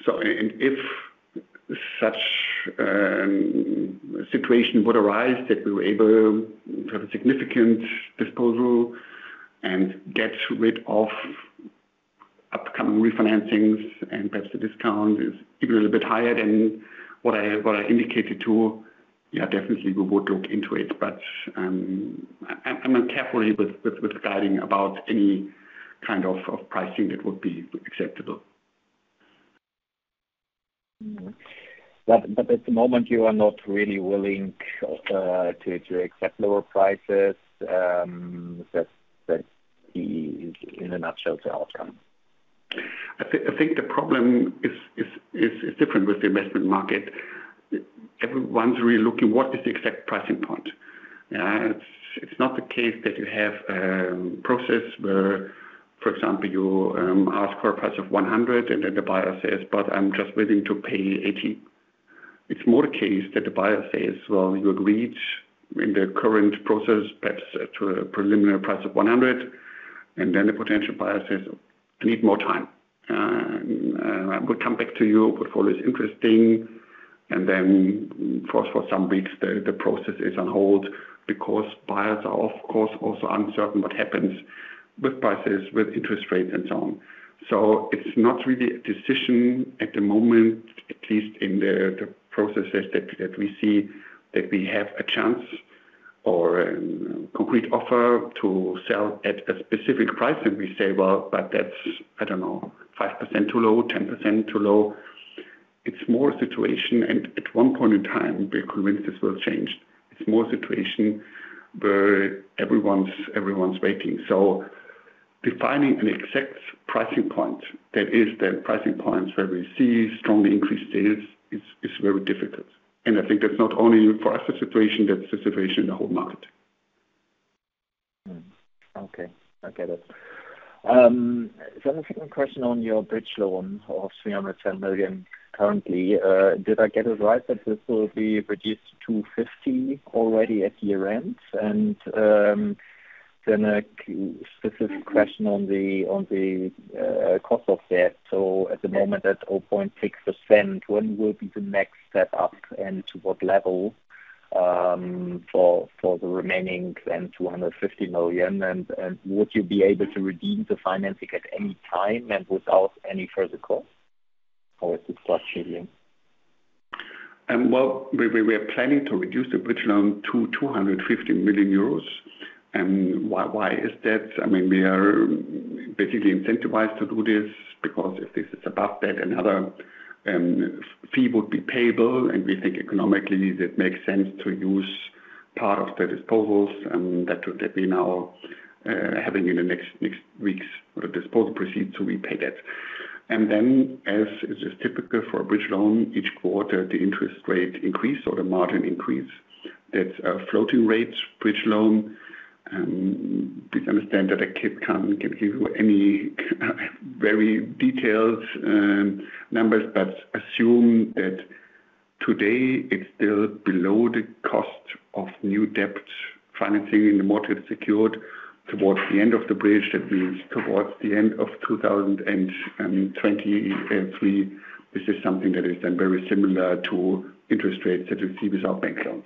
If such situation would arise that we were able to have a significant disposal and get rid of upcoming refinancings and perhaps the discount is even a little bit higher than what I indicated to, definitely we would look into it. I'm carefully with guiding about any kind of pricing that would be acceptable. At the moment, you are not really willing to accept lower prices. That's the, in a nutshell, the outcome. I think the problem is different with the investment market. Everyone's really looking what is the exact pricing point. It's not the case that you have a process where, for example, you ask for a price of 100 and then the buyer says, "I'm just willing to pay 80." It's more the case that the buyer says, "Well, you agreed in the current process, perhaps to a preliminary price of 100," and then the potential buyer says, "I need more time. I will come back to you. For this interesting." For some weeks the process is on hold because buyers are of course, also uncertain what happens with prices, with interest rates and so on. It's not really a decision at the moment, at least in the processes that we see that we have a chance or a complete offer to sell at a specific price and we say, "Well, but that's, I don't know, 5% too low, 10% too low." It's more a situation, and at one point in time we're convinced this will change. It's more a situation where everyone's waiting. Defining an exact pricing point, that is the pricing point where we see strongly increased data is very difficult. I think that's not only for us the situation, that's the situation in the whole market. Okay. I get it. A second question on your bridge loan of 310 million currently. Did I get it right that this will be reduced to 50 million already at year-end? A specific question on the cost of debt. At the moment at 0.6%, when will be the next step up and to what level? For the remaining 250 million. Would you be able to redeem the financing at any time and without any further cost or is it plus million? We are planning to reduce the bridge loan to 250 million euros. Why, why is that? I mean, we are basically incentivized to do this because if this is above that, another fee would be payable, and we think economically that makes sense to use part of the disposals, and that will get me now having in the next weeks the disposal proceeds to repay that. Then, as is typical for a bridge loan, each quarter the interest rate increase or the margin increase. That's a floating rate bridge loan. Please understand that I can't give you any very detailed numbers, but assume that today it's still below the cost of new debt financing in the mortgage secured towards the end of the bridge. That means towards the end of 2023, this is something that is then very similar to interest rates that you see with our bank loans.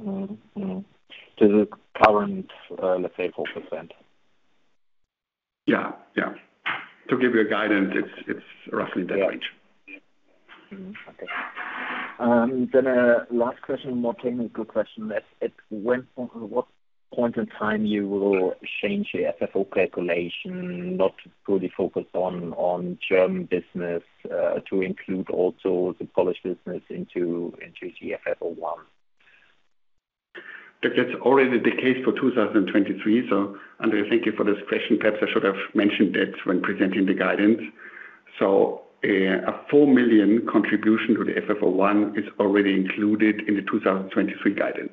Mm-hmm. Mm-hmm. This is current, let's say 4%. Yeah. Yeah. To give you a guidance, it's roughly that range. Yeah. Mm-hmm. Okay. A last question, more technical question. From what point in time you will change your FFO calculation, not fully focused on German business, to include also the Polish business into the FFO I? That is already the case for 2023. Andre, thank you for this question. Perhaps I should have mentioned that when presenting the guidance. A 4 million contribution to the FFO I is already included in the 2023 guidance.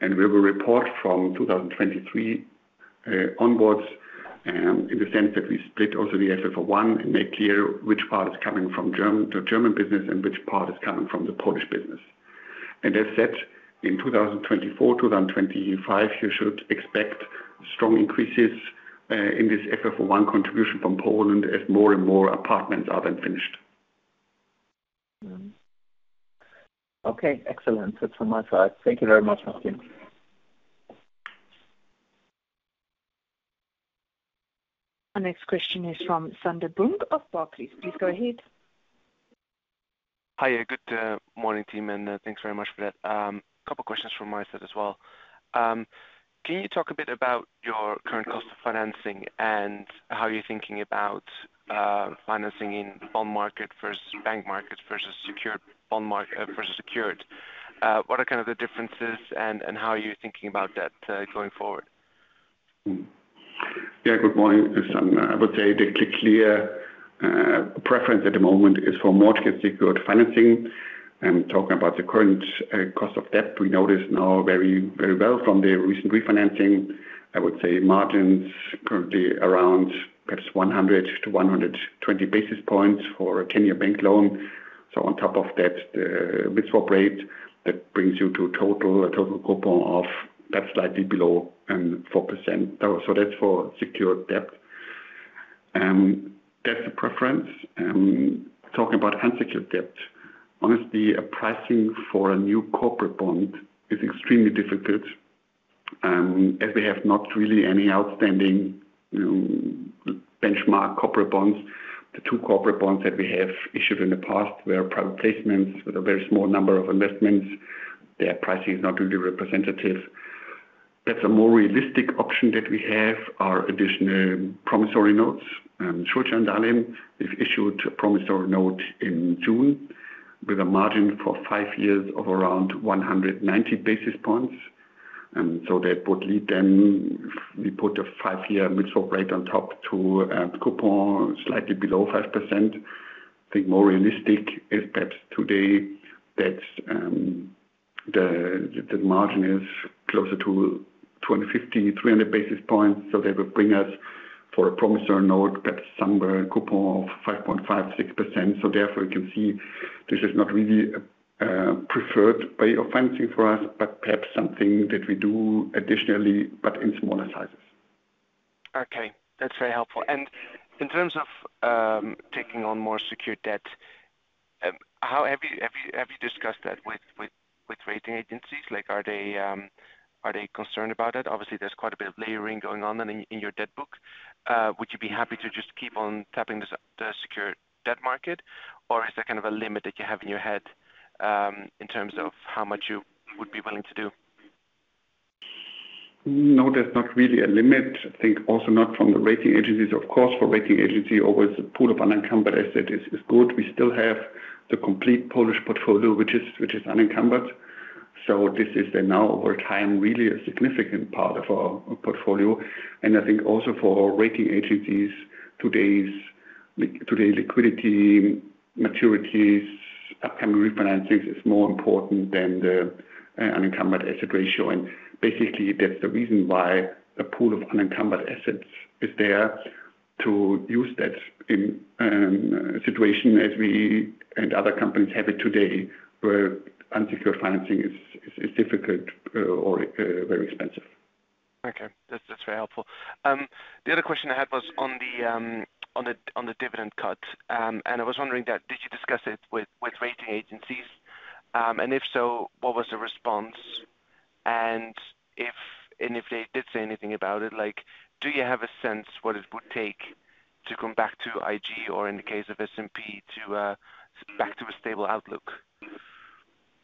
We will report from 2023 onwards, in the sense that we split also the FFO I and make clear which part is coming from the German business and which part is coming from the Polish business. As said, in 2024, 2025, you should expect strong increases in this FFO I contribution from Poland as more and more apartments are then finished. Mm-hmm. Okay. Excellent. That's from my side. Thank you very much, Martin. Our next question is from Sander Bunck of Barclays. Please go ahead. Hiya. Good morning, team. Thanks very much for that. A couple questions from my side as well. Can you talk a bit about your current cost of financing and how you're thinking about financing in bond market versus bank market versus secured? What are kind of the differences and how are you thinking about that going forward? Yeah. Good morning, Sander. I would say the clear preference at the moment is for mortgage secured financing. I'm talking about the current cost of debt. We know this now very, very well from the recent refinancing. I would say margins currently around perhaps 100-120 basis points for a 10-year bank loan. On top of that, mid-swap rate, that brings you to a total coupon that's slightly below 4%. That's for secured debt. That's the preference. Talking about unsecured debt, honestly, a pricing for a new corporate bond is extremely difficult, as we have not really any outstanding benchmark corporate bonds. The two corporate bonds that we have issued in the past were private placements with a very small number of investments. Their pricing is not really representative. That's a more realistic option that we have are additional promissory notes. Short term, they've issued a promissory note in June with a margin for five years of around 190 basis points. That would lead them, if we put a five-year mid-swap rate on top to a coupon slightly below 5%. I think more realistic is that today that the margin is closer to 250-300 basis points. That will bring us for a promissory note, perhaps somewhere a coupon of 5.5%-6%. Therefore, you can see this is not really a preferred way of financing for us, but perhaps something that we do additionally, but in smaller sizes. Okay. That's very helpful. In terms of taking on more secured debt, how have you discussed that with rating agencies? Like, are they concerned about it? Obviously, there's quite a bit of layering going on in your debt book. Would you be happy to just keep on tapping the secured debt market, or is there kind of a limit that you have in your head, in terms of how much you would be willing to do? No, there's not really a limit. I think also not from the rating agencies. Of course, for rating agency always the pool of unencumbered asset is good. We still have the complete Polish portfolio, which is unencumbered. So this is then now over time, really a significant part of our portfolio. And I think also for rating agencies, today liquidity, maturities, upcoming refinancings is more important than the unencumbered asset ratio. And basically, that's the reason why a pool of unencumbered assets is there to use that in a situation as we and other companies have it today, where unsecured financing is difficult or very expensive. Okay. That's, that's very helpful. The other question I had was on the dividend cut. I was wondering that did you discuss it with rating agencies? If so, what was the response? If they did say anything about it, like, do you have a sense what it would take to come back to IG or in the case of S&P to back to a stable outlook?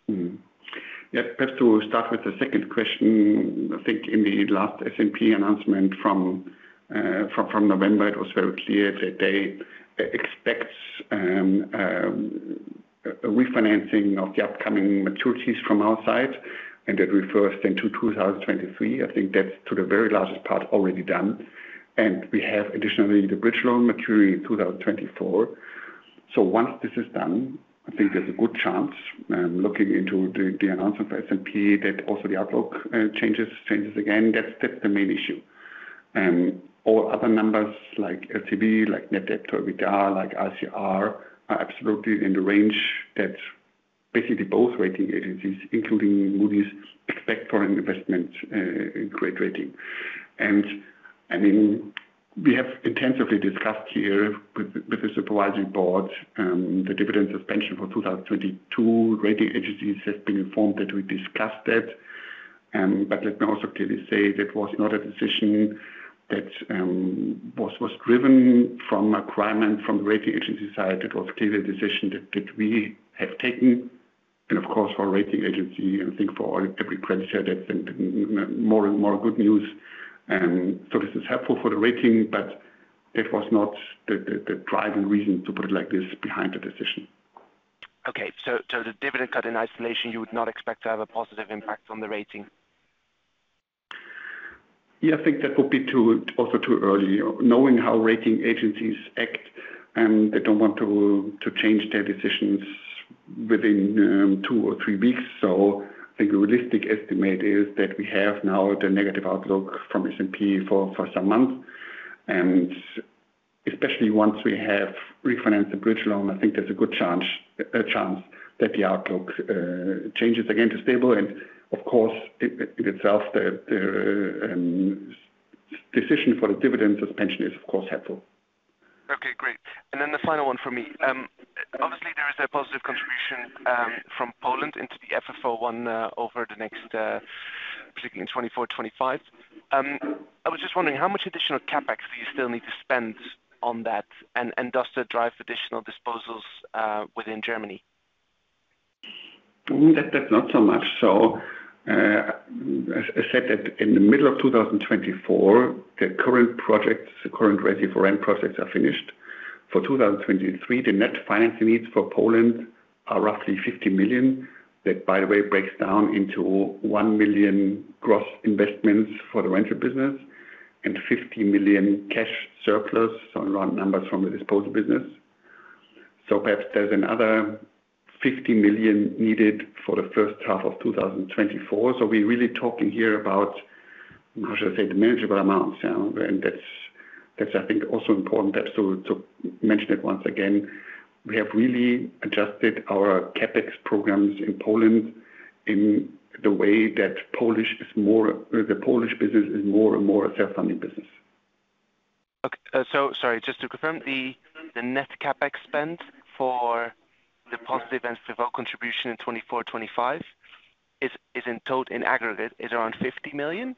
Yeah. Perhaps to start with the second question. I think in the last S&P announcement from November, it was very clear that they expects a refinancing of the upcoming maturities from our side, and that refers then to 2023. I think that's to the very largest part already done. We have additionally the bridge loan maturity in 2024. Once this is done, I think there's a good chance, looking into the announcement for S&P that also the outlook changes again. That's the main issue. All other numbers like LTV, like net debt to EBITDA, like ICR are absolutely in the range that basically both rating agencies, including Moody's expect for an investment grade rating. I mean, we have intensively discussed here with the supervising board, the dividend suspension for 2022. Rating agencies has been informed that we discussed it. Let me also clearly say that was not a decision that was driven from a requirement from the rating agency side. It was clearly a decision that we have taken and of course for a rating agency and I think for every creditor that's in more and more good news. This is helpful for the rating, but it was not the driving reason to put it like this behind the decision. Okay. The dividend cut in isolation, you would not expect to have a positive impact on the rating? I think that would be too, also too early. Knowing how rating agencies act, they don't want to change their decisions within two or three weeks. I think a realistic estimate is that we have now the negative outlook from S&P for some months. Especially once we have refinanced the bridge loan, I think there's a good chance that the outlook changes again to stable and of course in itself the decision for the dividend suspension is of course helpful. Okay, great. Then the final one for me. Obviously there is a positive contribution from Poland into the FFO I over the next particularly in 2024, 2025. I was just wondering how much additional CapEx do you still need to spend on that? And does that drive additional disposals within Germany? That's not so much. As I said that in the middle of 2024, the current projects, the current residential rent projects are finished. For 2023, the net financing needs for Poland are roughly 50 million. That, by the way, breaks down into 1 million gross investments for the rental business and 50 million cash surplus on raw numbers from the disposal business. Perhaps there's another 50 million needed for the first half of 2024. We're really talking here about, how should I say, the manageable amounts now. That's I think also important that to mention it once again. We have really adjusted our CapEx programs in Poland in the way that the Polish business is more and more a self-funding business. Sorry, just to confirm, the net CapEx spend for the positive FFO contribution in 2024, 2025 is in total, in aggregate is around 50 million?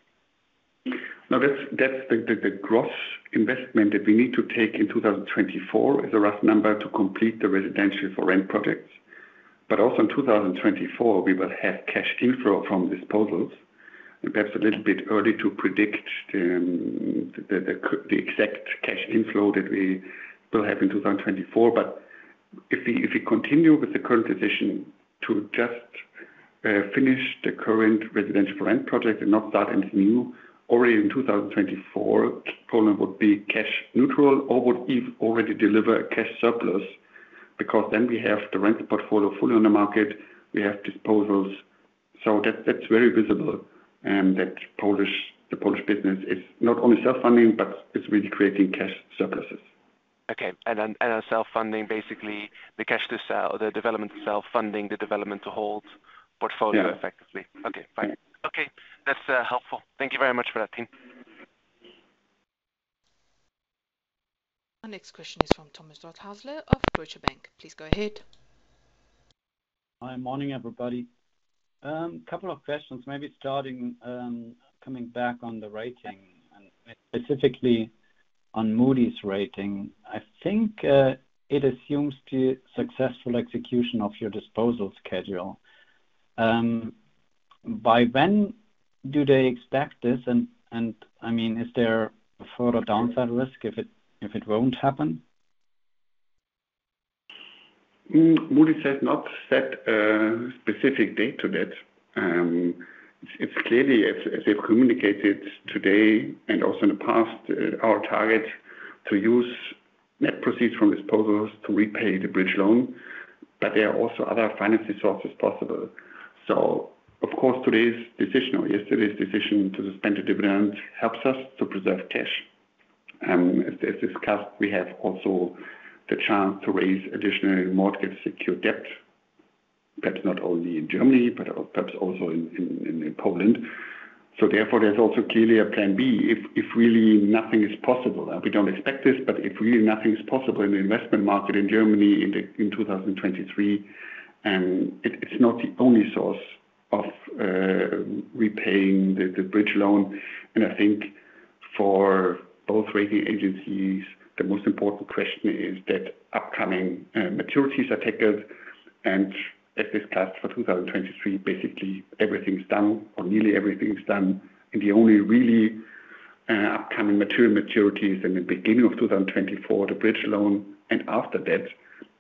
That's the gross investment that we need to take in 2024 is a rough number to complete the residential for rent projects. Also in 2024, we will have cash inflow from disposals and perhaps a little bit early to predict the exact cash inflow that we will have in 2024. If we continue with the current decision to just finish the current residential rent project and not start anything new, already in 2024, Poland would be cash neutral or would even already deliver a cash surplus because then we have the rental portfolio fully on the market, we have disposals. That's very visible that the Polish business is not only self-funding, but it's really creating cash surpluses. Okay. a self-funding, basically the cash to sell, the development to self-funding, the development to hold portfolio effectively. Yeah. Okay, fine. Okay. That's helpful. Thank you very much for that, Martin. Our next question is from Thomas Rothäusler of Deutsche Bank. Please go ahead. Hi. Morning, everybody. couple of questions maybe starting, coming back on the rating and specifically on Moody's rating. I think, it assumes the successful execution of your disposal schedule. by when do they expect this? I mean, is there a further downside risk if it won't happen? Moody's has not set a specific date to that. It's clearly as we've communicated today and also in the past, our target to use net proceeds from disposals to repay the bridge loan. There are also other financing sources possible. Of course, today's decision or yesterday's decision to suspend the dividend helps us to preserve cash. As discussed, we have also the chance to raise additional mortgage secured debt. Perhaps not only in Germany, but perhaps also in Poland. Therefore, there's also clearly a plan B if really nothing is possible. We don't expect this, but if really nothing is possible in the investment market in Germany in 2023, and it's not the only source of repaying the bridge loan. I think for both rating agencies, the most important question is that upcoming maturities are ticked. As discussed for 2023, basically everything is done or nearly everything is done. The only really upcoming material maturities in the beginning of 2024, the bridge loan. After that,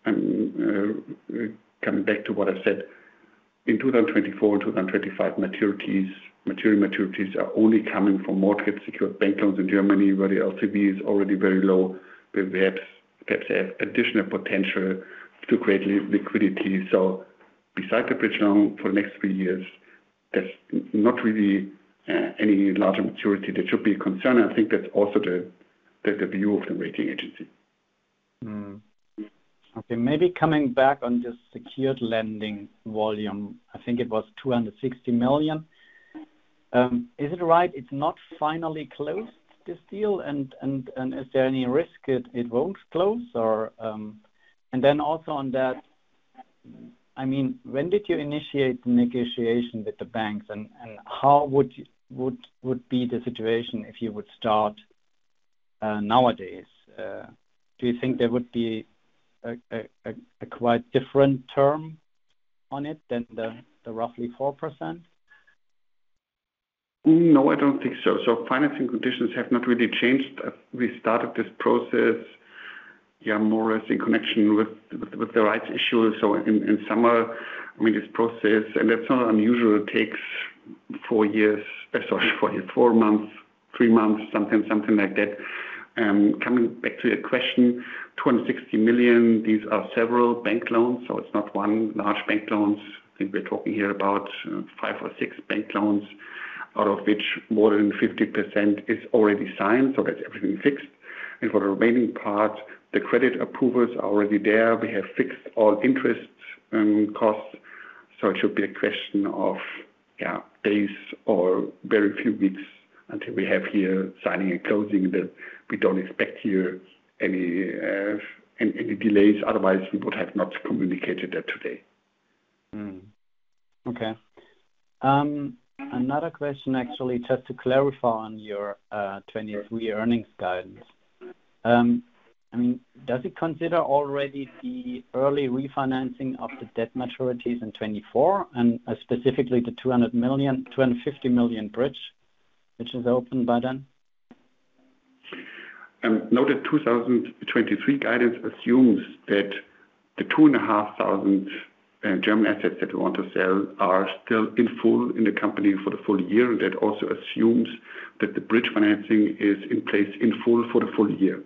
coming back to what I said, in 2024 and 2025, maturities, material maturities are only coming from mortgage-secured bank loans in Germany, where the LTV is already very low. Perhaps have additional potential to create liquidity. Beside the bridge loan for the next three years, there's not really any larger maturity that should be a concern. I think that's also the view of the rating agency. Okay, maybe coming back on just secured lending volume. I think it was 260 million. Is it right it's not finally closed, this deal? Is there any risk it won't close or? Also on that, I mean, when did you initiate the negotiation with the banks? How would you would be the situation if you would start nowadays? Do you think there would be a quite different term on it than the roughly 4%? No, I don't think so. we started this process more or less in connection with the rights issue. In summer, I mean, this process, and that's not unusual, it takes four years. Sorry, four years. four months, three months, something like that. Coming back to your question, 260 million, these are several bank loans, it's not one large bank loans. I think we're talking here about five or six bank loans, out of which more than 50% is already signed. That's everything fixed. For the remaining part, the credit approvals are already there. We have fixed all interests and costs. It should be a question of, yeah, days or very few weeks until we have here signing and closing that we don't expect here any delays. Otherwise, we would have not communicated that today. Okay. Another question actually just to clarify on your 2023 earnings guidance. I mean, does it consider already the early refinancing of the debt maturities in 2024 and specifically the 200 million, 250 million bridge, which is open by then? No. The 2023 guidance assumes that the 2,500 German assets that we want to sell are still in full in the company for the full year. That also assumes that the bridge financing is in place in full for the full year.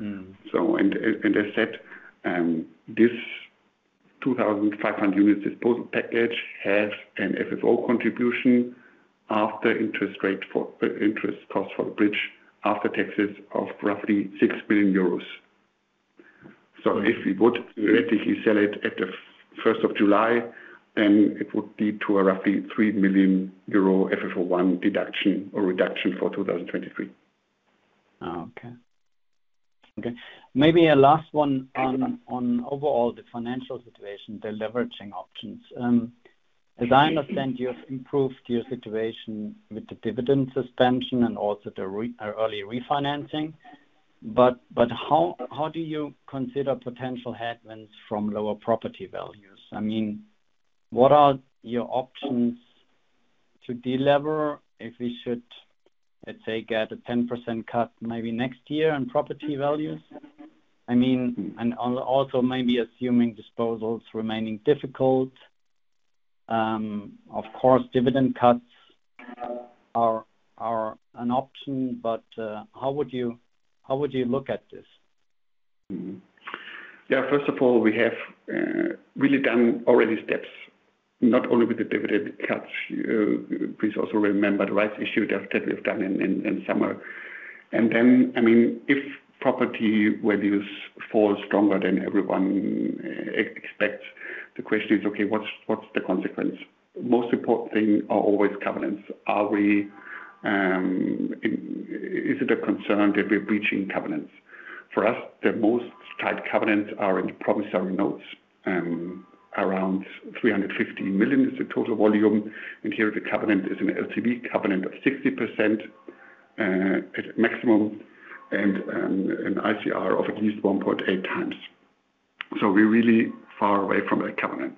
Mm-hmm. As said, this 2,500 unit disposal package has an FFO contribution after interest rate interest cost for the bridge after taxes of roughly 6 billion euros. If we would theoretically sell it at the 1st of July, then it would lead to a roughly 3 million euro FFO I deduction or reduction for 2023. Oh, okay. Okay. Maybe a last one on overall the financial situation, the leveraging options. As I understand, you have improved your situation with the dividend suspension and also the early refinancing. How do you consider potential headwinds from lower property values? I mean, what are your options to delever if we should, let's say, get a 10% cut maybe next year on property values? I mean, also maybe assuming disposals remaining difficult. Of course, dividend cuts are an option. How would you look at this? Yeah. First of all, we have really done already steps, not only with the dividend cuts. Please also remember the rights issue that we've done in summer. I mean, if property values fall stronger than everyone expects, the question is, okay, what's the consequence? Most important thing are always covenants. Is it a concern that we're breaching covenants? For us, the most tight covenants are in the promissory notes. Around 350 million is the total volume. Here the covenant is an LTV covenant of 60% at maximum, and an ICR of at least 1.8x. We're really far away from that covenant.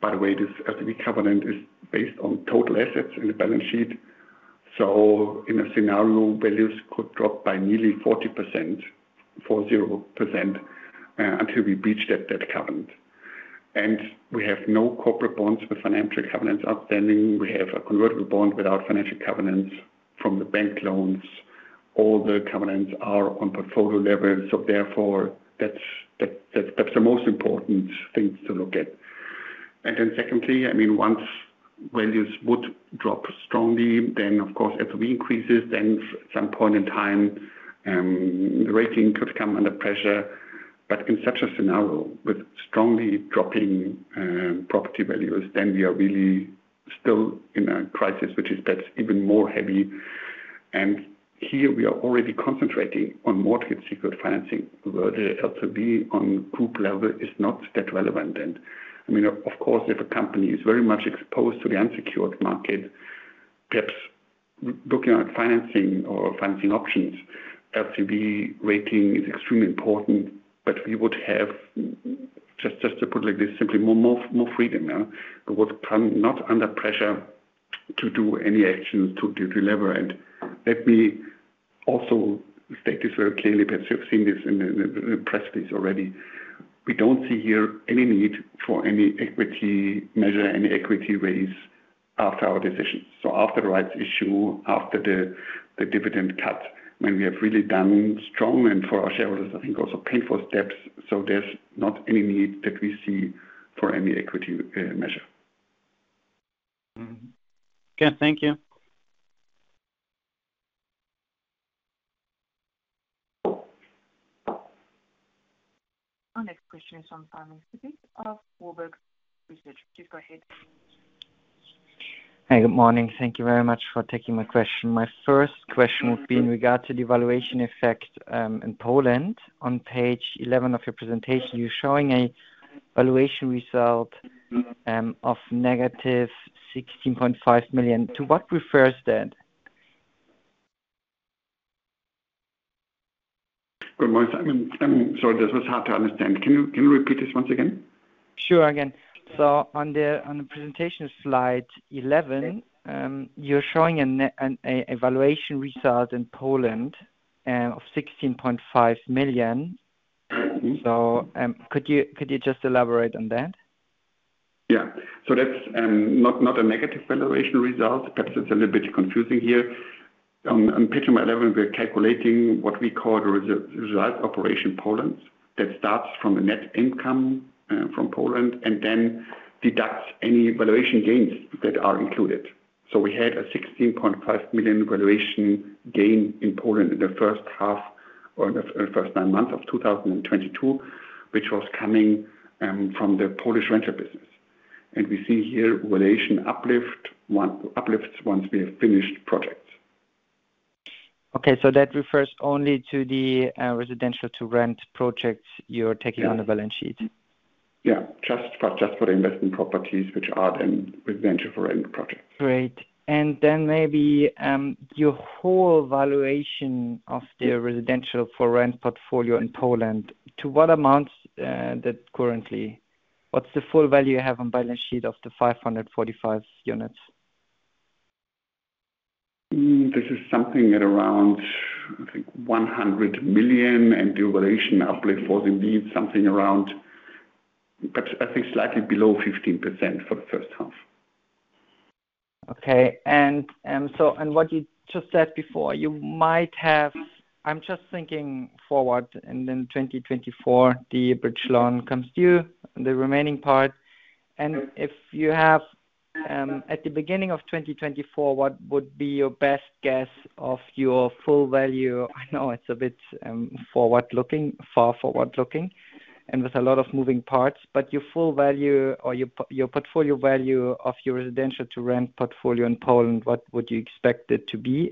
By the way, this LTV covenant is based on total assets in the balance sheet. In a scenario, values could drop by nearly 40% until we breach that covenant. We have no corporate bonds with financial covenants outstanding. We have a convertible bond without financial covenants from the bank loans. All the covenants are on portfolio level. That's the most important things to look at. Secondly, I mean, Values would drop strongly, then of course, LTV increases, then at some point in time, the rating could come under pressure. In such a scenario, with strongly dropping property values, then we are really still in a crisis, which is that's even more heavy. Here we are already concentrating on mortgage secured financing, where the LTV on group level is not that relevant. I mean, of course, if a company is very much exposed to the unsecured market, perhaps looking at financing or financing options, LTV rating is extremely important. We would have just to put it like this, simply more freedom now, but would come not under pressure to do any actions to deliver. Let me also state this very clearly, perhaps you've seen this in the press release already. We don't see here any need for any equity measure, any equity raise after our decisions. After the rights issue, after the dividend cut, I mean, we have really done strong and for our shareholders, I think also painful steps. There's not any need that we see for any equity measure. Okay. Thank you. Our next question is from Simon Stippig of Warburg Research. Please go ahead. Hey, good morning. Thank you very much for taking my question. My first question would be in regard to the valuation effect, in Poland. On page 11 of your presentation, you're showing a valuation result, of negative 16.5 million. To what refers that? Good morning. I'm sorry. This was hard to understand. Can you repeat this once again? Sure. Again. On the presentation slide 11, you're showing an evaluation result in Poland, of 16.5 million. Mm-hmm. Could you just elaborate on that? That's not a negative valuation result. Perhaps it's a little bit confusing here. On page 11, we're calculating what we call the result operation Poland. That starts from the net income from Poland and then deducts any valuation gains that are included. We had a 16.5 million valuation gain in Poland in the first half or first nine months of 2022, which was coming from the Polish rental business. We see here valuation uplifts once we have finished projects. Okay. That refers only to the residential to rent projects you're taking-? Yeah. on the balance sheet. Yeah. Just for the investment properties which are then residential for rent projects. Great. Then maybe your whole valuation of the residential for rent portfolio in Poland, to what amount that currently? What's the full value you have on balance sheet of the 545 units? This is something at around, I think 100 million. The valuation uplift for indeed something around perhaps I think slightly below 15% for the first half. Okay. What you just said before, I'm just thinking forward 2024, the bridge loan comes due, the remaining part. If you have at the beginning of 2024, what would be your best guess of your full value? I know it's a bit forward-looking, far forward-looking, and with a lot of moving parts. Your full value or your portfolio value of your residential to rent portfolio in Poland, what would you expect it to be?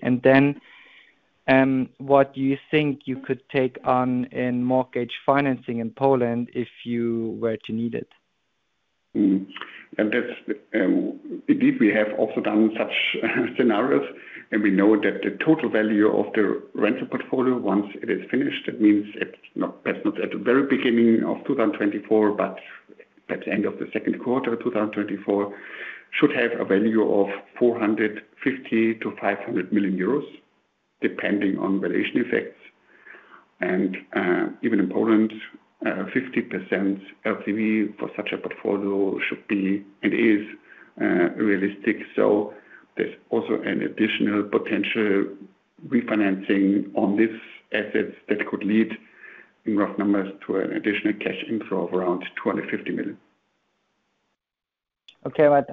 What do you think you could take on in mortgage financing in Poland if you were to need it? That's, indeed, we have also done such scenarios, we know that the total value of the rental portfolio once it is finished, that means that's not at the very beginning of 2024, but at the end of the second quarter 2024, should have a value of 450 million-500 million euros, depending on valuation effects. Even in Poland, 50% LTV for such a portfolio should be and is realistic. There's also an additional potential refinancing on this asset that could lead in rough numbers to an additional cash inflow of around 250 million.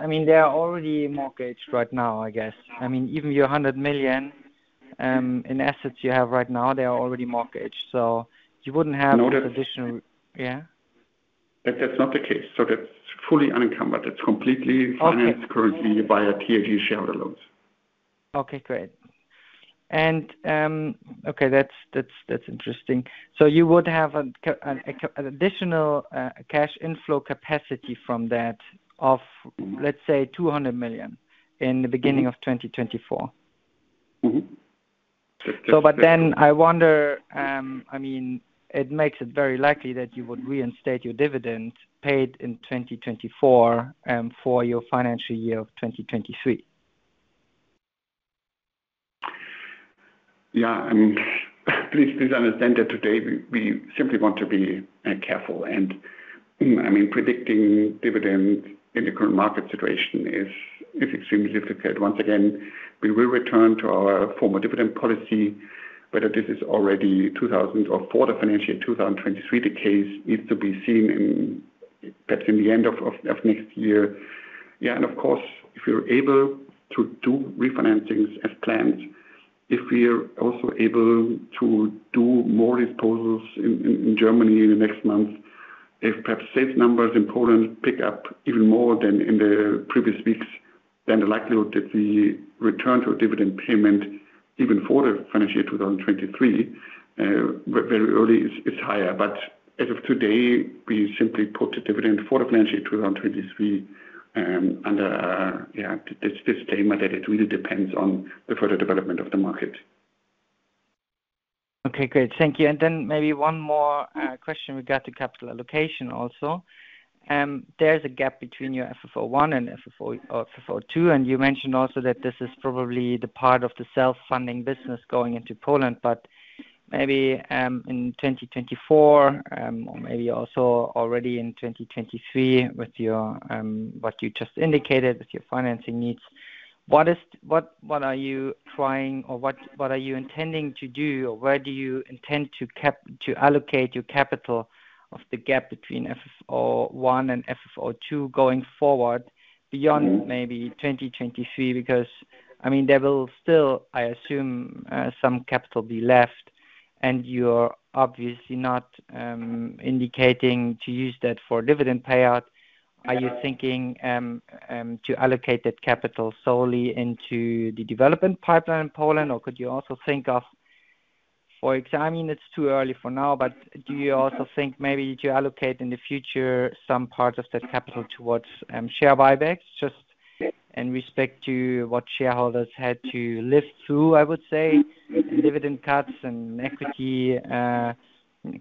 I mean, they are already mortgaged right now, I guess. I mean, even your 100 million in assets you have right now, they are already mortgaged. You wouldn't have. No, that's. an additional... Yeah. That's not the case. That's fully unencumbered. Okay. financed currently via TAG shareholder loans. Okay, great. Okay, that's, that's interesting. You would have an additional cash inflow capacity from that of, let's say, 200 million in the beginning of 2024. Mm-hmm. I wonder, I mean, it makes it very likely that you would reinstate your dividend paid in 2024, for your financial year of 2023. I mean, please understand that today we simply want to be careful. I mean, predicting dividend in the current market situation is extremely difficult. Once again, we will return to our former dividend policy. Whether this is already 2000 or for the financial year 2023, the case needs to be seen in, perhaps in the end of next year. Of course, if we're able to do refinancings as planned, if we're also able to do more disposals in Germany in the next months, if perhaps sales numbers in Poland pick up even more than in the previous weeks, then the likelihood that we return to a dividend payment even for the financial year 2023 very early is higher. As of today, we simply put the dividend for the financial year 2023, under this statement that it really depends on the further development of the market. Okay, great. Thank you. Maybe one more question regarding capital allocation also. There's a gap between your FFO I and FFO or FFO II, and you mentioned also that this is probably the part of the self-funding business going into Poland. Maybe, in 2024, or maybe also already in 2023 with your, what you just indicated with your financing needs, what are you trying or what are you intending to do or where do you intend to allocate your capital of the gap between FFO I and FFO II going forward beyond maybe 2023? I mean, there will still, I assume, some capital be left and you're obviously not, indicating to use that for dividend payout. Are you thinking to allocate that capital solely into the development pipeline in Poland? Could you also think of, I mean, it's too early for now, but do you also think maybe to allocate in the future some part of that capital towards share buybacks? Just in respect to what shareholders had to live through, I would say, dividend cuts and equity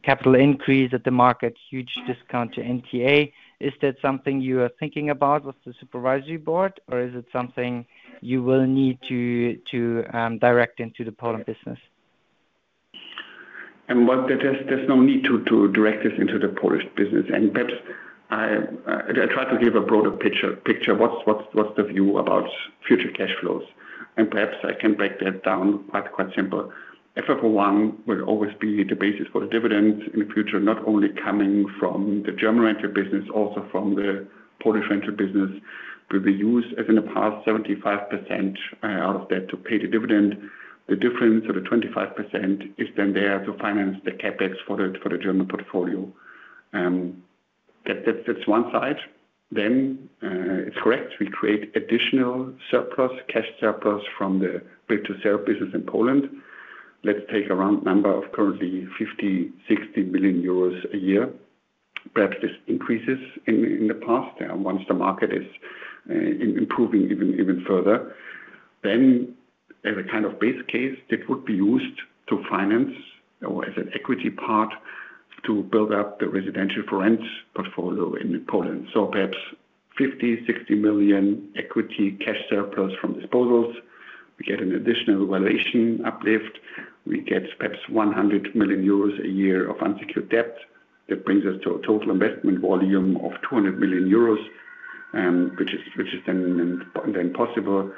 capital increase at the market, huge discount to NTA. Is that something you are thinking about with the supervisory board or is it something you will need to direct into the Poland business? There's no need to direct this into the Polish business. Perhaps I try to give a broader picture what's the view about future cash flows. Perhaps I can break that down quite simple. FFO I will always be the basis for the dividend in the future, not only coming from the German rental business, also from the Polish rental business, will be used as in the past 75% of that to pay the dividend. The difference of the 25% is there to finance the CapEx for the German portfolio. That's one side. It's correct, we create additional surplus, cash surplus from the build-to-sell business in Poland. Let's take a round number of currently 50 million-60 million euros a year. Perhaps this increases in the past term once the market is improving even further. As a kind of base case, that would be used to finance or as an equity part to build up the residential for rent portfolio in Poland. Perhaps 50 million, 60 million equity cash surplus from disposals. We get an additional valuation uplift. We get perhaps 100 million euros a year of unsecured debt. That brings us to a total investment volume of 200 million euros, which is then possible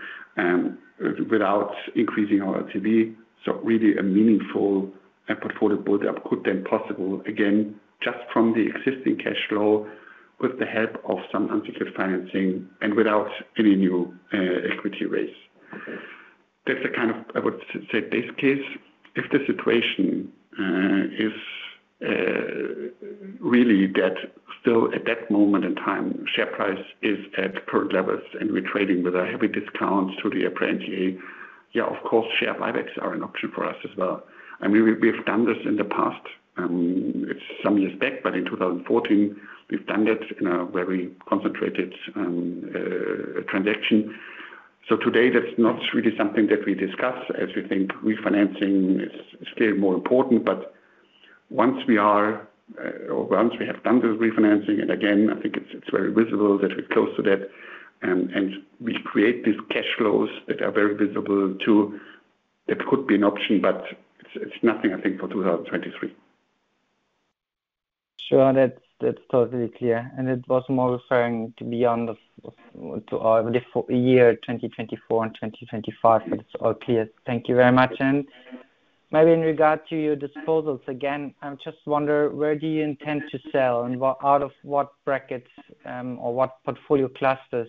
without increasing our LTV. Really a meaningful portfolio build-up could then possible, again, just from the existing cash flow with the help of some unsecured financing and without any new equity raise. That's the kind of, I would say, base case. If the situation is really that still at that moment in time, share price is at current levels and we're trading with a heavy discount to the apparent EPRA NTA, yeah, of course, share buybacks are an option for us as well. We've done this in the past, it's some years back, but in 2014, we've done that in a very concentrated transaction. Today, that's not really something that we discuss as we think refinancing is still more important. Once we are or once we have done the refinancing, and again, I think it's very visible that we're close to that and we create these cash flows that are very visible too, that could be an option, but it's nothing I think for 2023. Sure. That's totally clear. It was more referring to beyond the year 2024 and 2025. It's all clear. Thank you very much. Maybe in regard to your disposals, again, I just wonder where do you intend to sell and out of what brackets, or what portfolio clusters,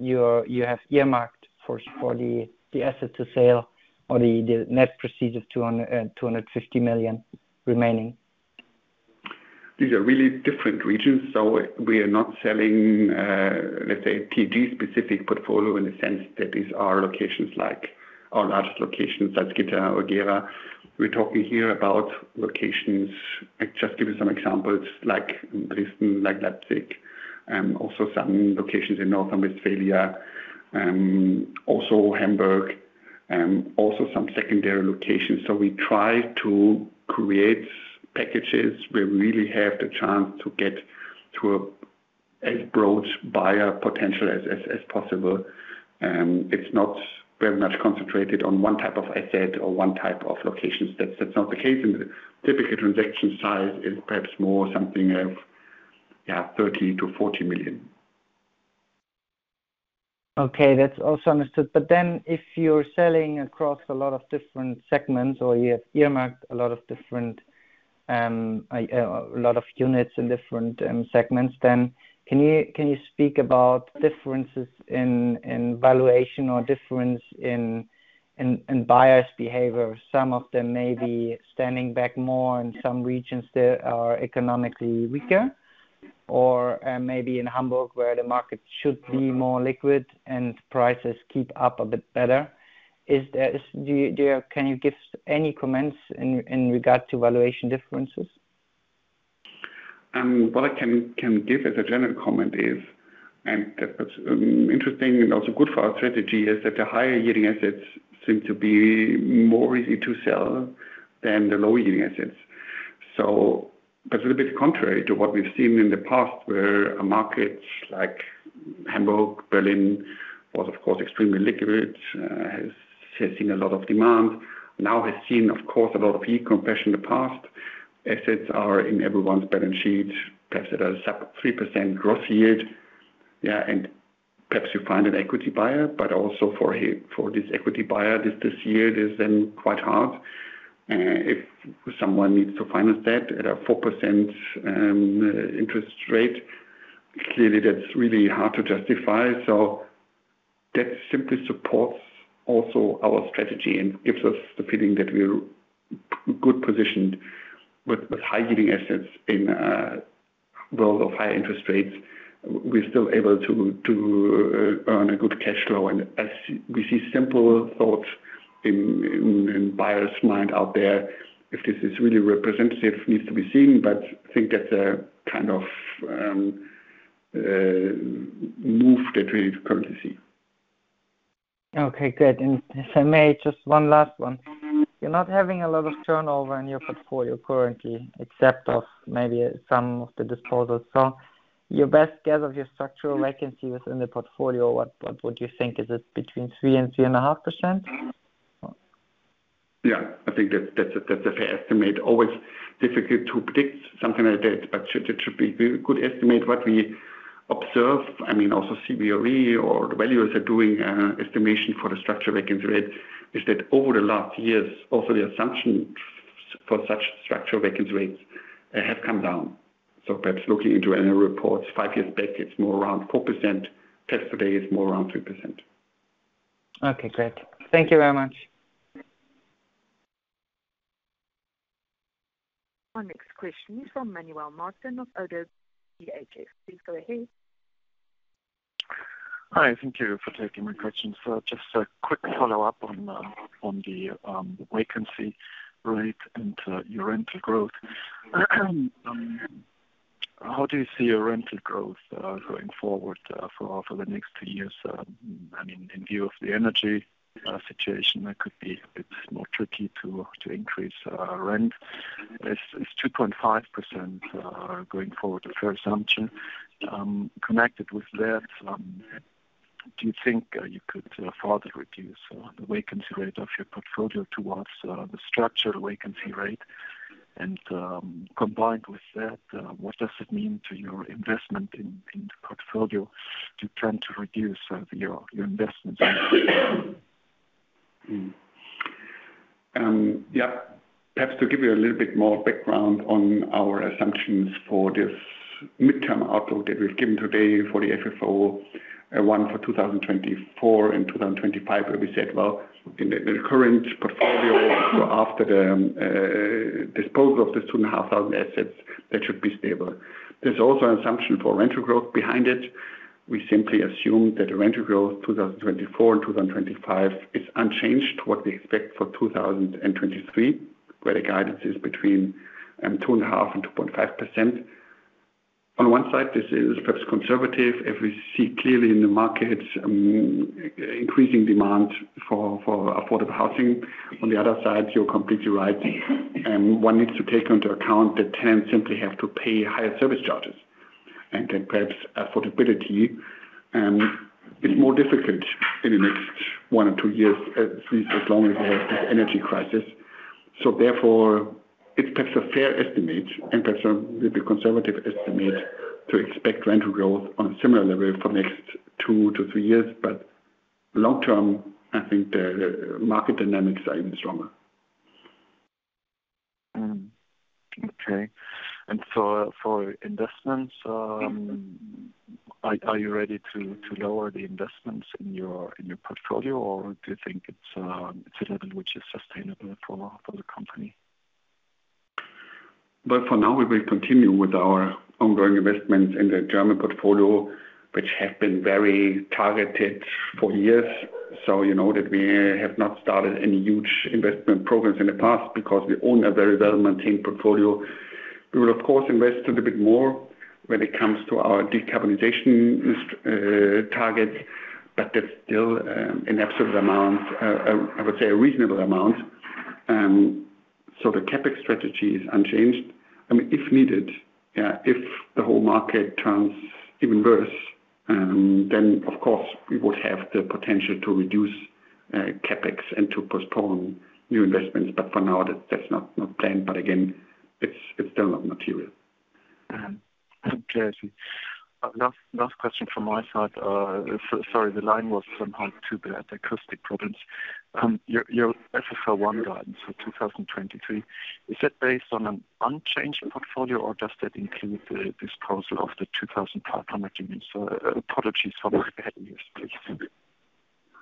you're, you have earmarked for the asset to sale or the net proceed of 250 million remaining? These are really different regions, so we are not selling, let's say, TAG specific portfolio in the sense that these are locations like our largest locations, like Gera or Gera. We're talking here about locations, just give you some examples, like Brandenburg, like Leipzig, also some locations in North Rhine-Westphalia, also Hamburg, also some secondary locations. We try to create packages where we really have the chance to get to as broad buyer potential as possible. It's not very much concentrated on one type of asset or one type of locations. That's not the case. The typical transaction size is perhaps more something of EUR 30 million-EUR 40 million. That's also understood. If you're selling across a lot of different segments or you have earmarked a lot of different, a lot of units in different segments, can you speak about differences in valuation or difference in buyer's behavior? Some of them may be standing back more in some regions that are economically weaker or maybe in Hamburg, where the market should be more liquid and prices keep up a bit better. Can you give any comments in regards to valuation differences? What I can give as a general comment is, and that what's interesting and also good for our strategy is that the higher yielding assets seem to be more easy to sell than the low yielding assets. That's a little bit contrary to what we've seen in the past, where a market like Hamburg, Berlin was of course extremely liquid, has seen a lot of demand. Now has seen, of course, a lot of peak compression in the past. Assets are in everyone's balance sheet. Perhaps at a sub-3% gross yield. Yeah. Perhaps you find an equity buyer, but also for this equity buyer, this year is then quite hard. If someone needs to finance that at a 4% interest rate, clearly that's really hard to justify. That simply supports also our strategy and gives us the feeling that we're good positioned with high-yielding assets in a world of high interest rates. We're still able to earn a good cash flow. As we see simple thoughts in buyer's mind out there, if this is really representative needs to be seen. I think that's a kind of move that we currently see. Okay, good. If I may, just one last one. You're not having a lot of turnover in your portfolio currently, except of maybe some of the disposals. your best guess of your structural vacancy within the portfolio, what would you think? Is it between 3% and 3.5%? I think that's a fair estimate. Always difficult to predict something like that, but it should be a good estimate. What we observe, I mean, also CBRE or the valuers are doing estimation for the structure vacancy rate, is that over the last years, also the assumption for such structure vacancy rates have come down. Perhaps looking into annual reports five years back, it's more around 4%. Test today is more around 2%. Okay, great. Thank you very much. Our next question is from Manuel Martin of ODDO BHF. Please go ahead. Hi. Thank you for taking my questions. Just a quick follow-up on on the vacancy rate and your rental growth. How do you see your rental growth going forward for the next two years? I mean, in view of the energy situation, that could be a bit more tricky to increase rent. Is 2.5% going forward a fair assumption? Connected with that, do you think you could further reduce the vacancy rate of your portfolio towards the structured vacancy rate? And combined with that, what does it mean to your investment in the portfolio to try to reduce your investment? Yeah. Perhaps to give you a little bit more background on our assumptions for this midterm outlook that we've given today for the FFO I for 2024 and 2025, where we said, well, in the current portfolio after the disposal of the 2,500 assets, that should be stable. There's also an assumption for rental growth behind it. We simply assume that the rental growth 2024 and 2025 is unchanged to what we expect for 2023, where the guidance is between 2.5% and 2.5%. On one side, this is perhaps conservative. If we see clearly in the market, increasing demand for affordable housing. On the other side, you're completely right. One needs to take into account that tenants simply have to pay higher service charges and that perhaps affordability is more difficult in the next one or two years, at least as long as we have this energy crisis. Therefore, it's perhaps a fair estimate and perhaps a little bit conservative estimate to expect rental growth on a similar level for next two-three years. Long term, I think the market dynamics are even stronger. Okay. For investments, are you ready to lower the investments in your portfolio, or do you think it's a level which is sustainable for the company? For now we will continue with our ongoing investments in the German portfolio, which have been very targeted for years. You know that we have not started any huge investment programs in the past because we own a very well-maintained portfolio. We will of course invest a little bit more when it comes to our decarbonization targets, but that's still an absolute amount, I would say a reasonable amount. The CapEx strategy is unchanged. I mean, if needed, if the whole market turns even worse, then of course we would have the potential to reduce CapEx and to postpone new investments. For now, that's not planned. Again, it's still not material. Jesse, last question from my side. Sorry, the line was somehow too bad, acoustic problems. Your FFO I guidance for 2023, is that based on an unchanged portfolio or does that include the disposal of the 2,500 units? Probably choose for next please.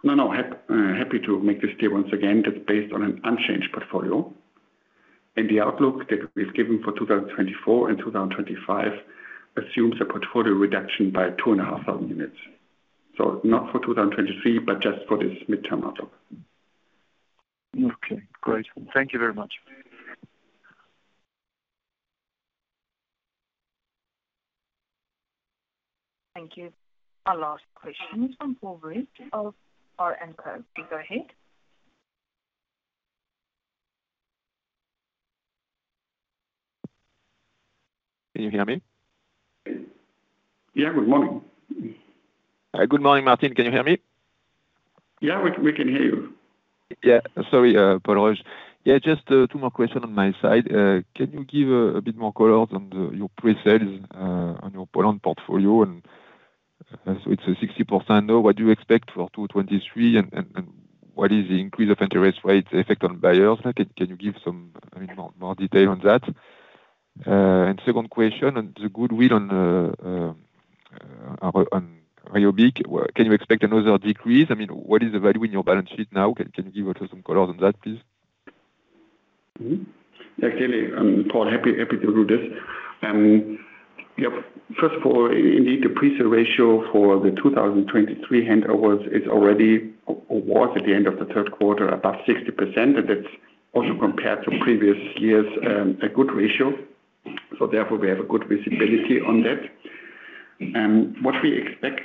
No, no. Happy to make this clear once again. That's based on an unchanged portfolio. The outlook that is given for 2024 and 2025 assumes a portfolio reduction by 2,500 units. Not for 2023, but just for this midterm outlook. Okay, great. Thank you very much. Thank you. Our last question is from [inaudible] Please go ahead. Can you hear me? Yeah, good morning. Good morning, Martin. Can you hear me? Yeah, we can hear you. Yeah. Sorry. Yeah, just two more questions on my side. Can you give a bit more colors on the your pre-sales on your Poland portfolio? It's a 60%. What do you expect for 2023? What is the increase of interest rates effect on buyers? Like, can you give some, I mean, more detail on that? Second question on the goodwill on ROBYG. Can you expect another decrease? I mean, what is the value in your balance sheet now? Can you give us some colors on that, please? Clearly, Paul, happy to do this. First of all, indeed, the pre-sale ratio for the 2023 handovers is already or was at the end of the third quarter above 60%. That's also compared to previous years, a good ratio. Therefore, we have a good visibility on that. What we expect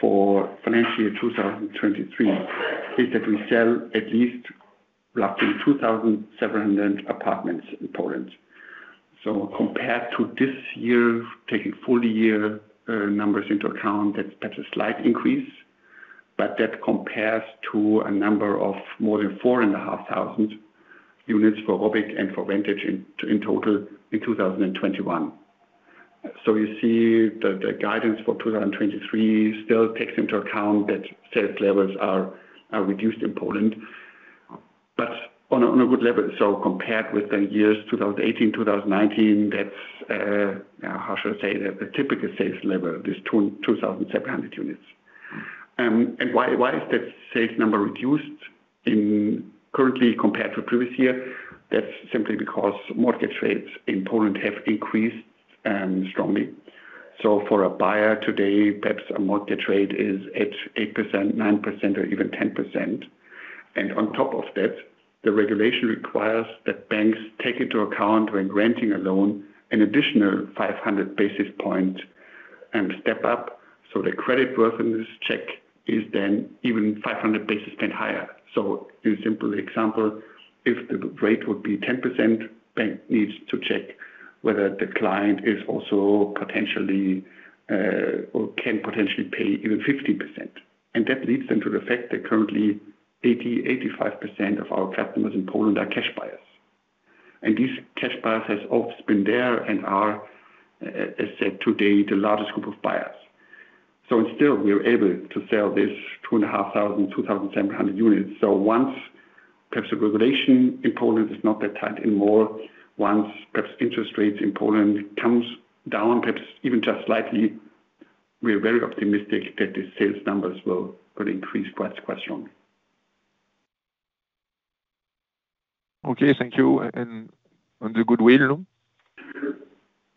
for financial year 2023 is that we sell at least roughly 2,700 apartments in Poland. Compared to this year, taking full year numbers into account, that's a slight increase. That compares to a number of more than 4,500 units for ROBYG and for Vantage in total in 2021. You see the guidance for 2023 still takes into account that sales levels are reduced in Poland, but on a good level. Compared with the years 2018, 2019, that's how should I say, the typical sales level, these 2,700 units. And why is that sales number reduced in currently compared to previous year? That's simply because mortgage rates in Poland have increased strongly. For a buyer today, perhaps a mortgage rate is at 8%, 9% or even 10%. And on top of that, the regulation requires that banks take into account when granting a loan an additional 500 basis points and step up. The credit worthiness check is then even 500 basis points higher. A simple example, if the rate would be 10%, bank needs to check whether the client is also potentially or can potentially pay even 15%. That leads them to the fact that currently 80%-85% of our customers in Poland are cash buyers. These cash buyers has always been there and are, as said today, the largest group of buyers. Still, we are able to sell this 2,500-2,700 units. Once perhaps the regulation in Poland is not that tight anymore, once perhaps interest rates in Poland comes down, perhaps even just slightly, we are very optimistic that the sales numbers will increase quite strongly. Okay, thank you. On the goodwill?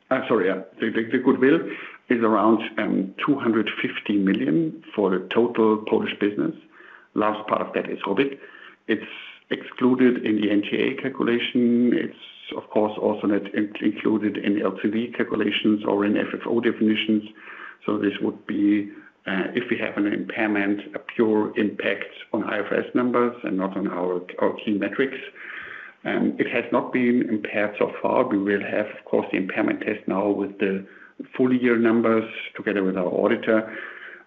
Sorry. Yeah. The goodwill is around 250 million for the total Polish business. Last part of that is ROBYG. It's excluded in the NTA calculation. It's of course also not included in LTV calculations or in FFO definitions. This would be if we have an impairment, a pure impact on IFRS numbers and not on our key metrics. It has not been impaired so far. We will have of course the impairment test now with the full year numbers together with our auditor.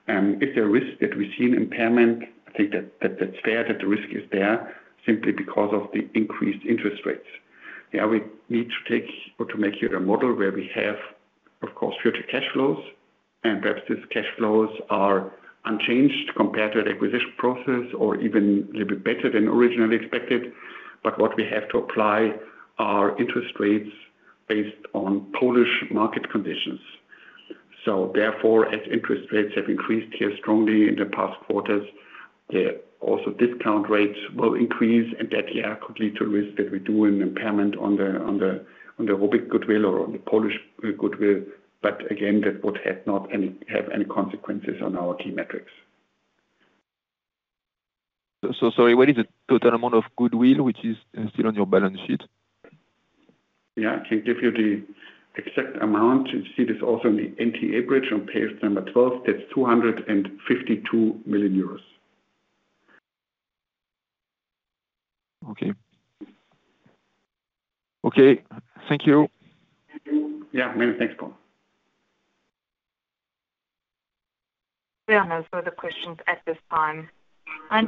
Is there a risk that we see an impairment? I think that's fair that the risk is there simply because of the increased interest rates. Yeah, we need to take or to make here a model where we have of course future cash flows. Perhaps these cash flows are unchanged compared to the acquisition process or even a little bit better than originally expected. What we have to apply are interest rates based on Polish market conditions. Therefore, as interest rates have increased here strongly in the past quarters, the also discount rates will increase and that yeah could lead to a risk that we do an impairment on the ROBYG goodwill or on the Polish goodwill. Again, that would have not any, have any consequences on our key metrics. So sorry, what is the total amount of goodwill which is still on your balance sheet? Yeah. I can give you the exact amount. You see this also in the NTA bridge on page number 12. That's 252 million euros. Okay. Okay. Thank you. Yeah. Many thanks, Paul. There are no further questions at this time.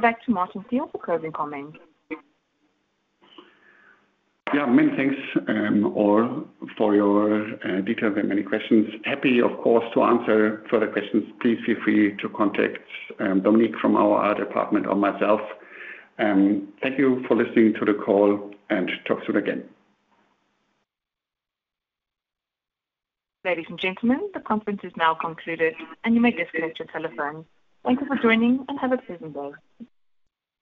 Back to Martin Thiel for closing comments. Yeah, many thanks, all for your detailed and many questions. Happy, of course, to answer further questions. Please feel free to contact Dominic from our IR department or myself. Thank you for listening to the call, and talk soon again. Ladies and gentlemen, the conference is now concluded, and you may disconnect your telephone. Thank you for joining, and have a pleasant day.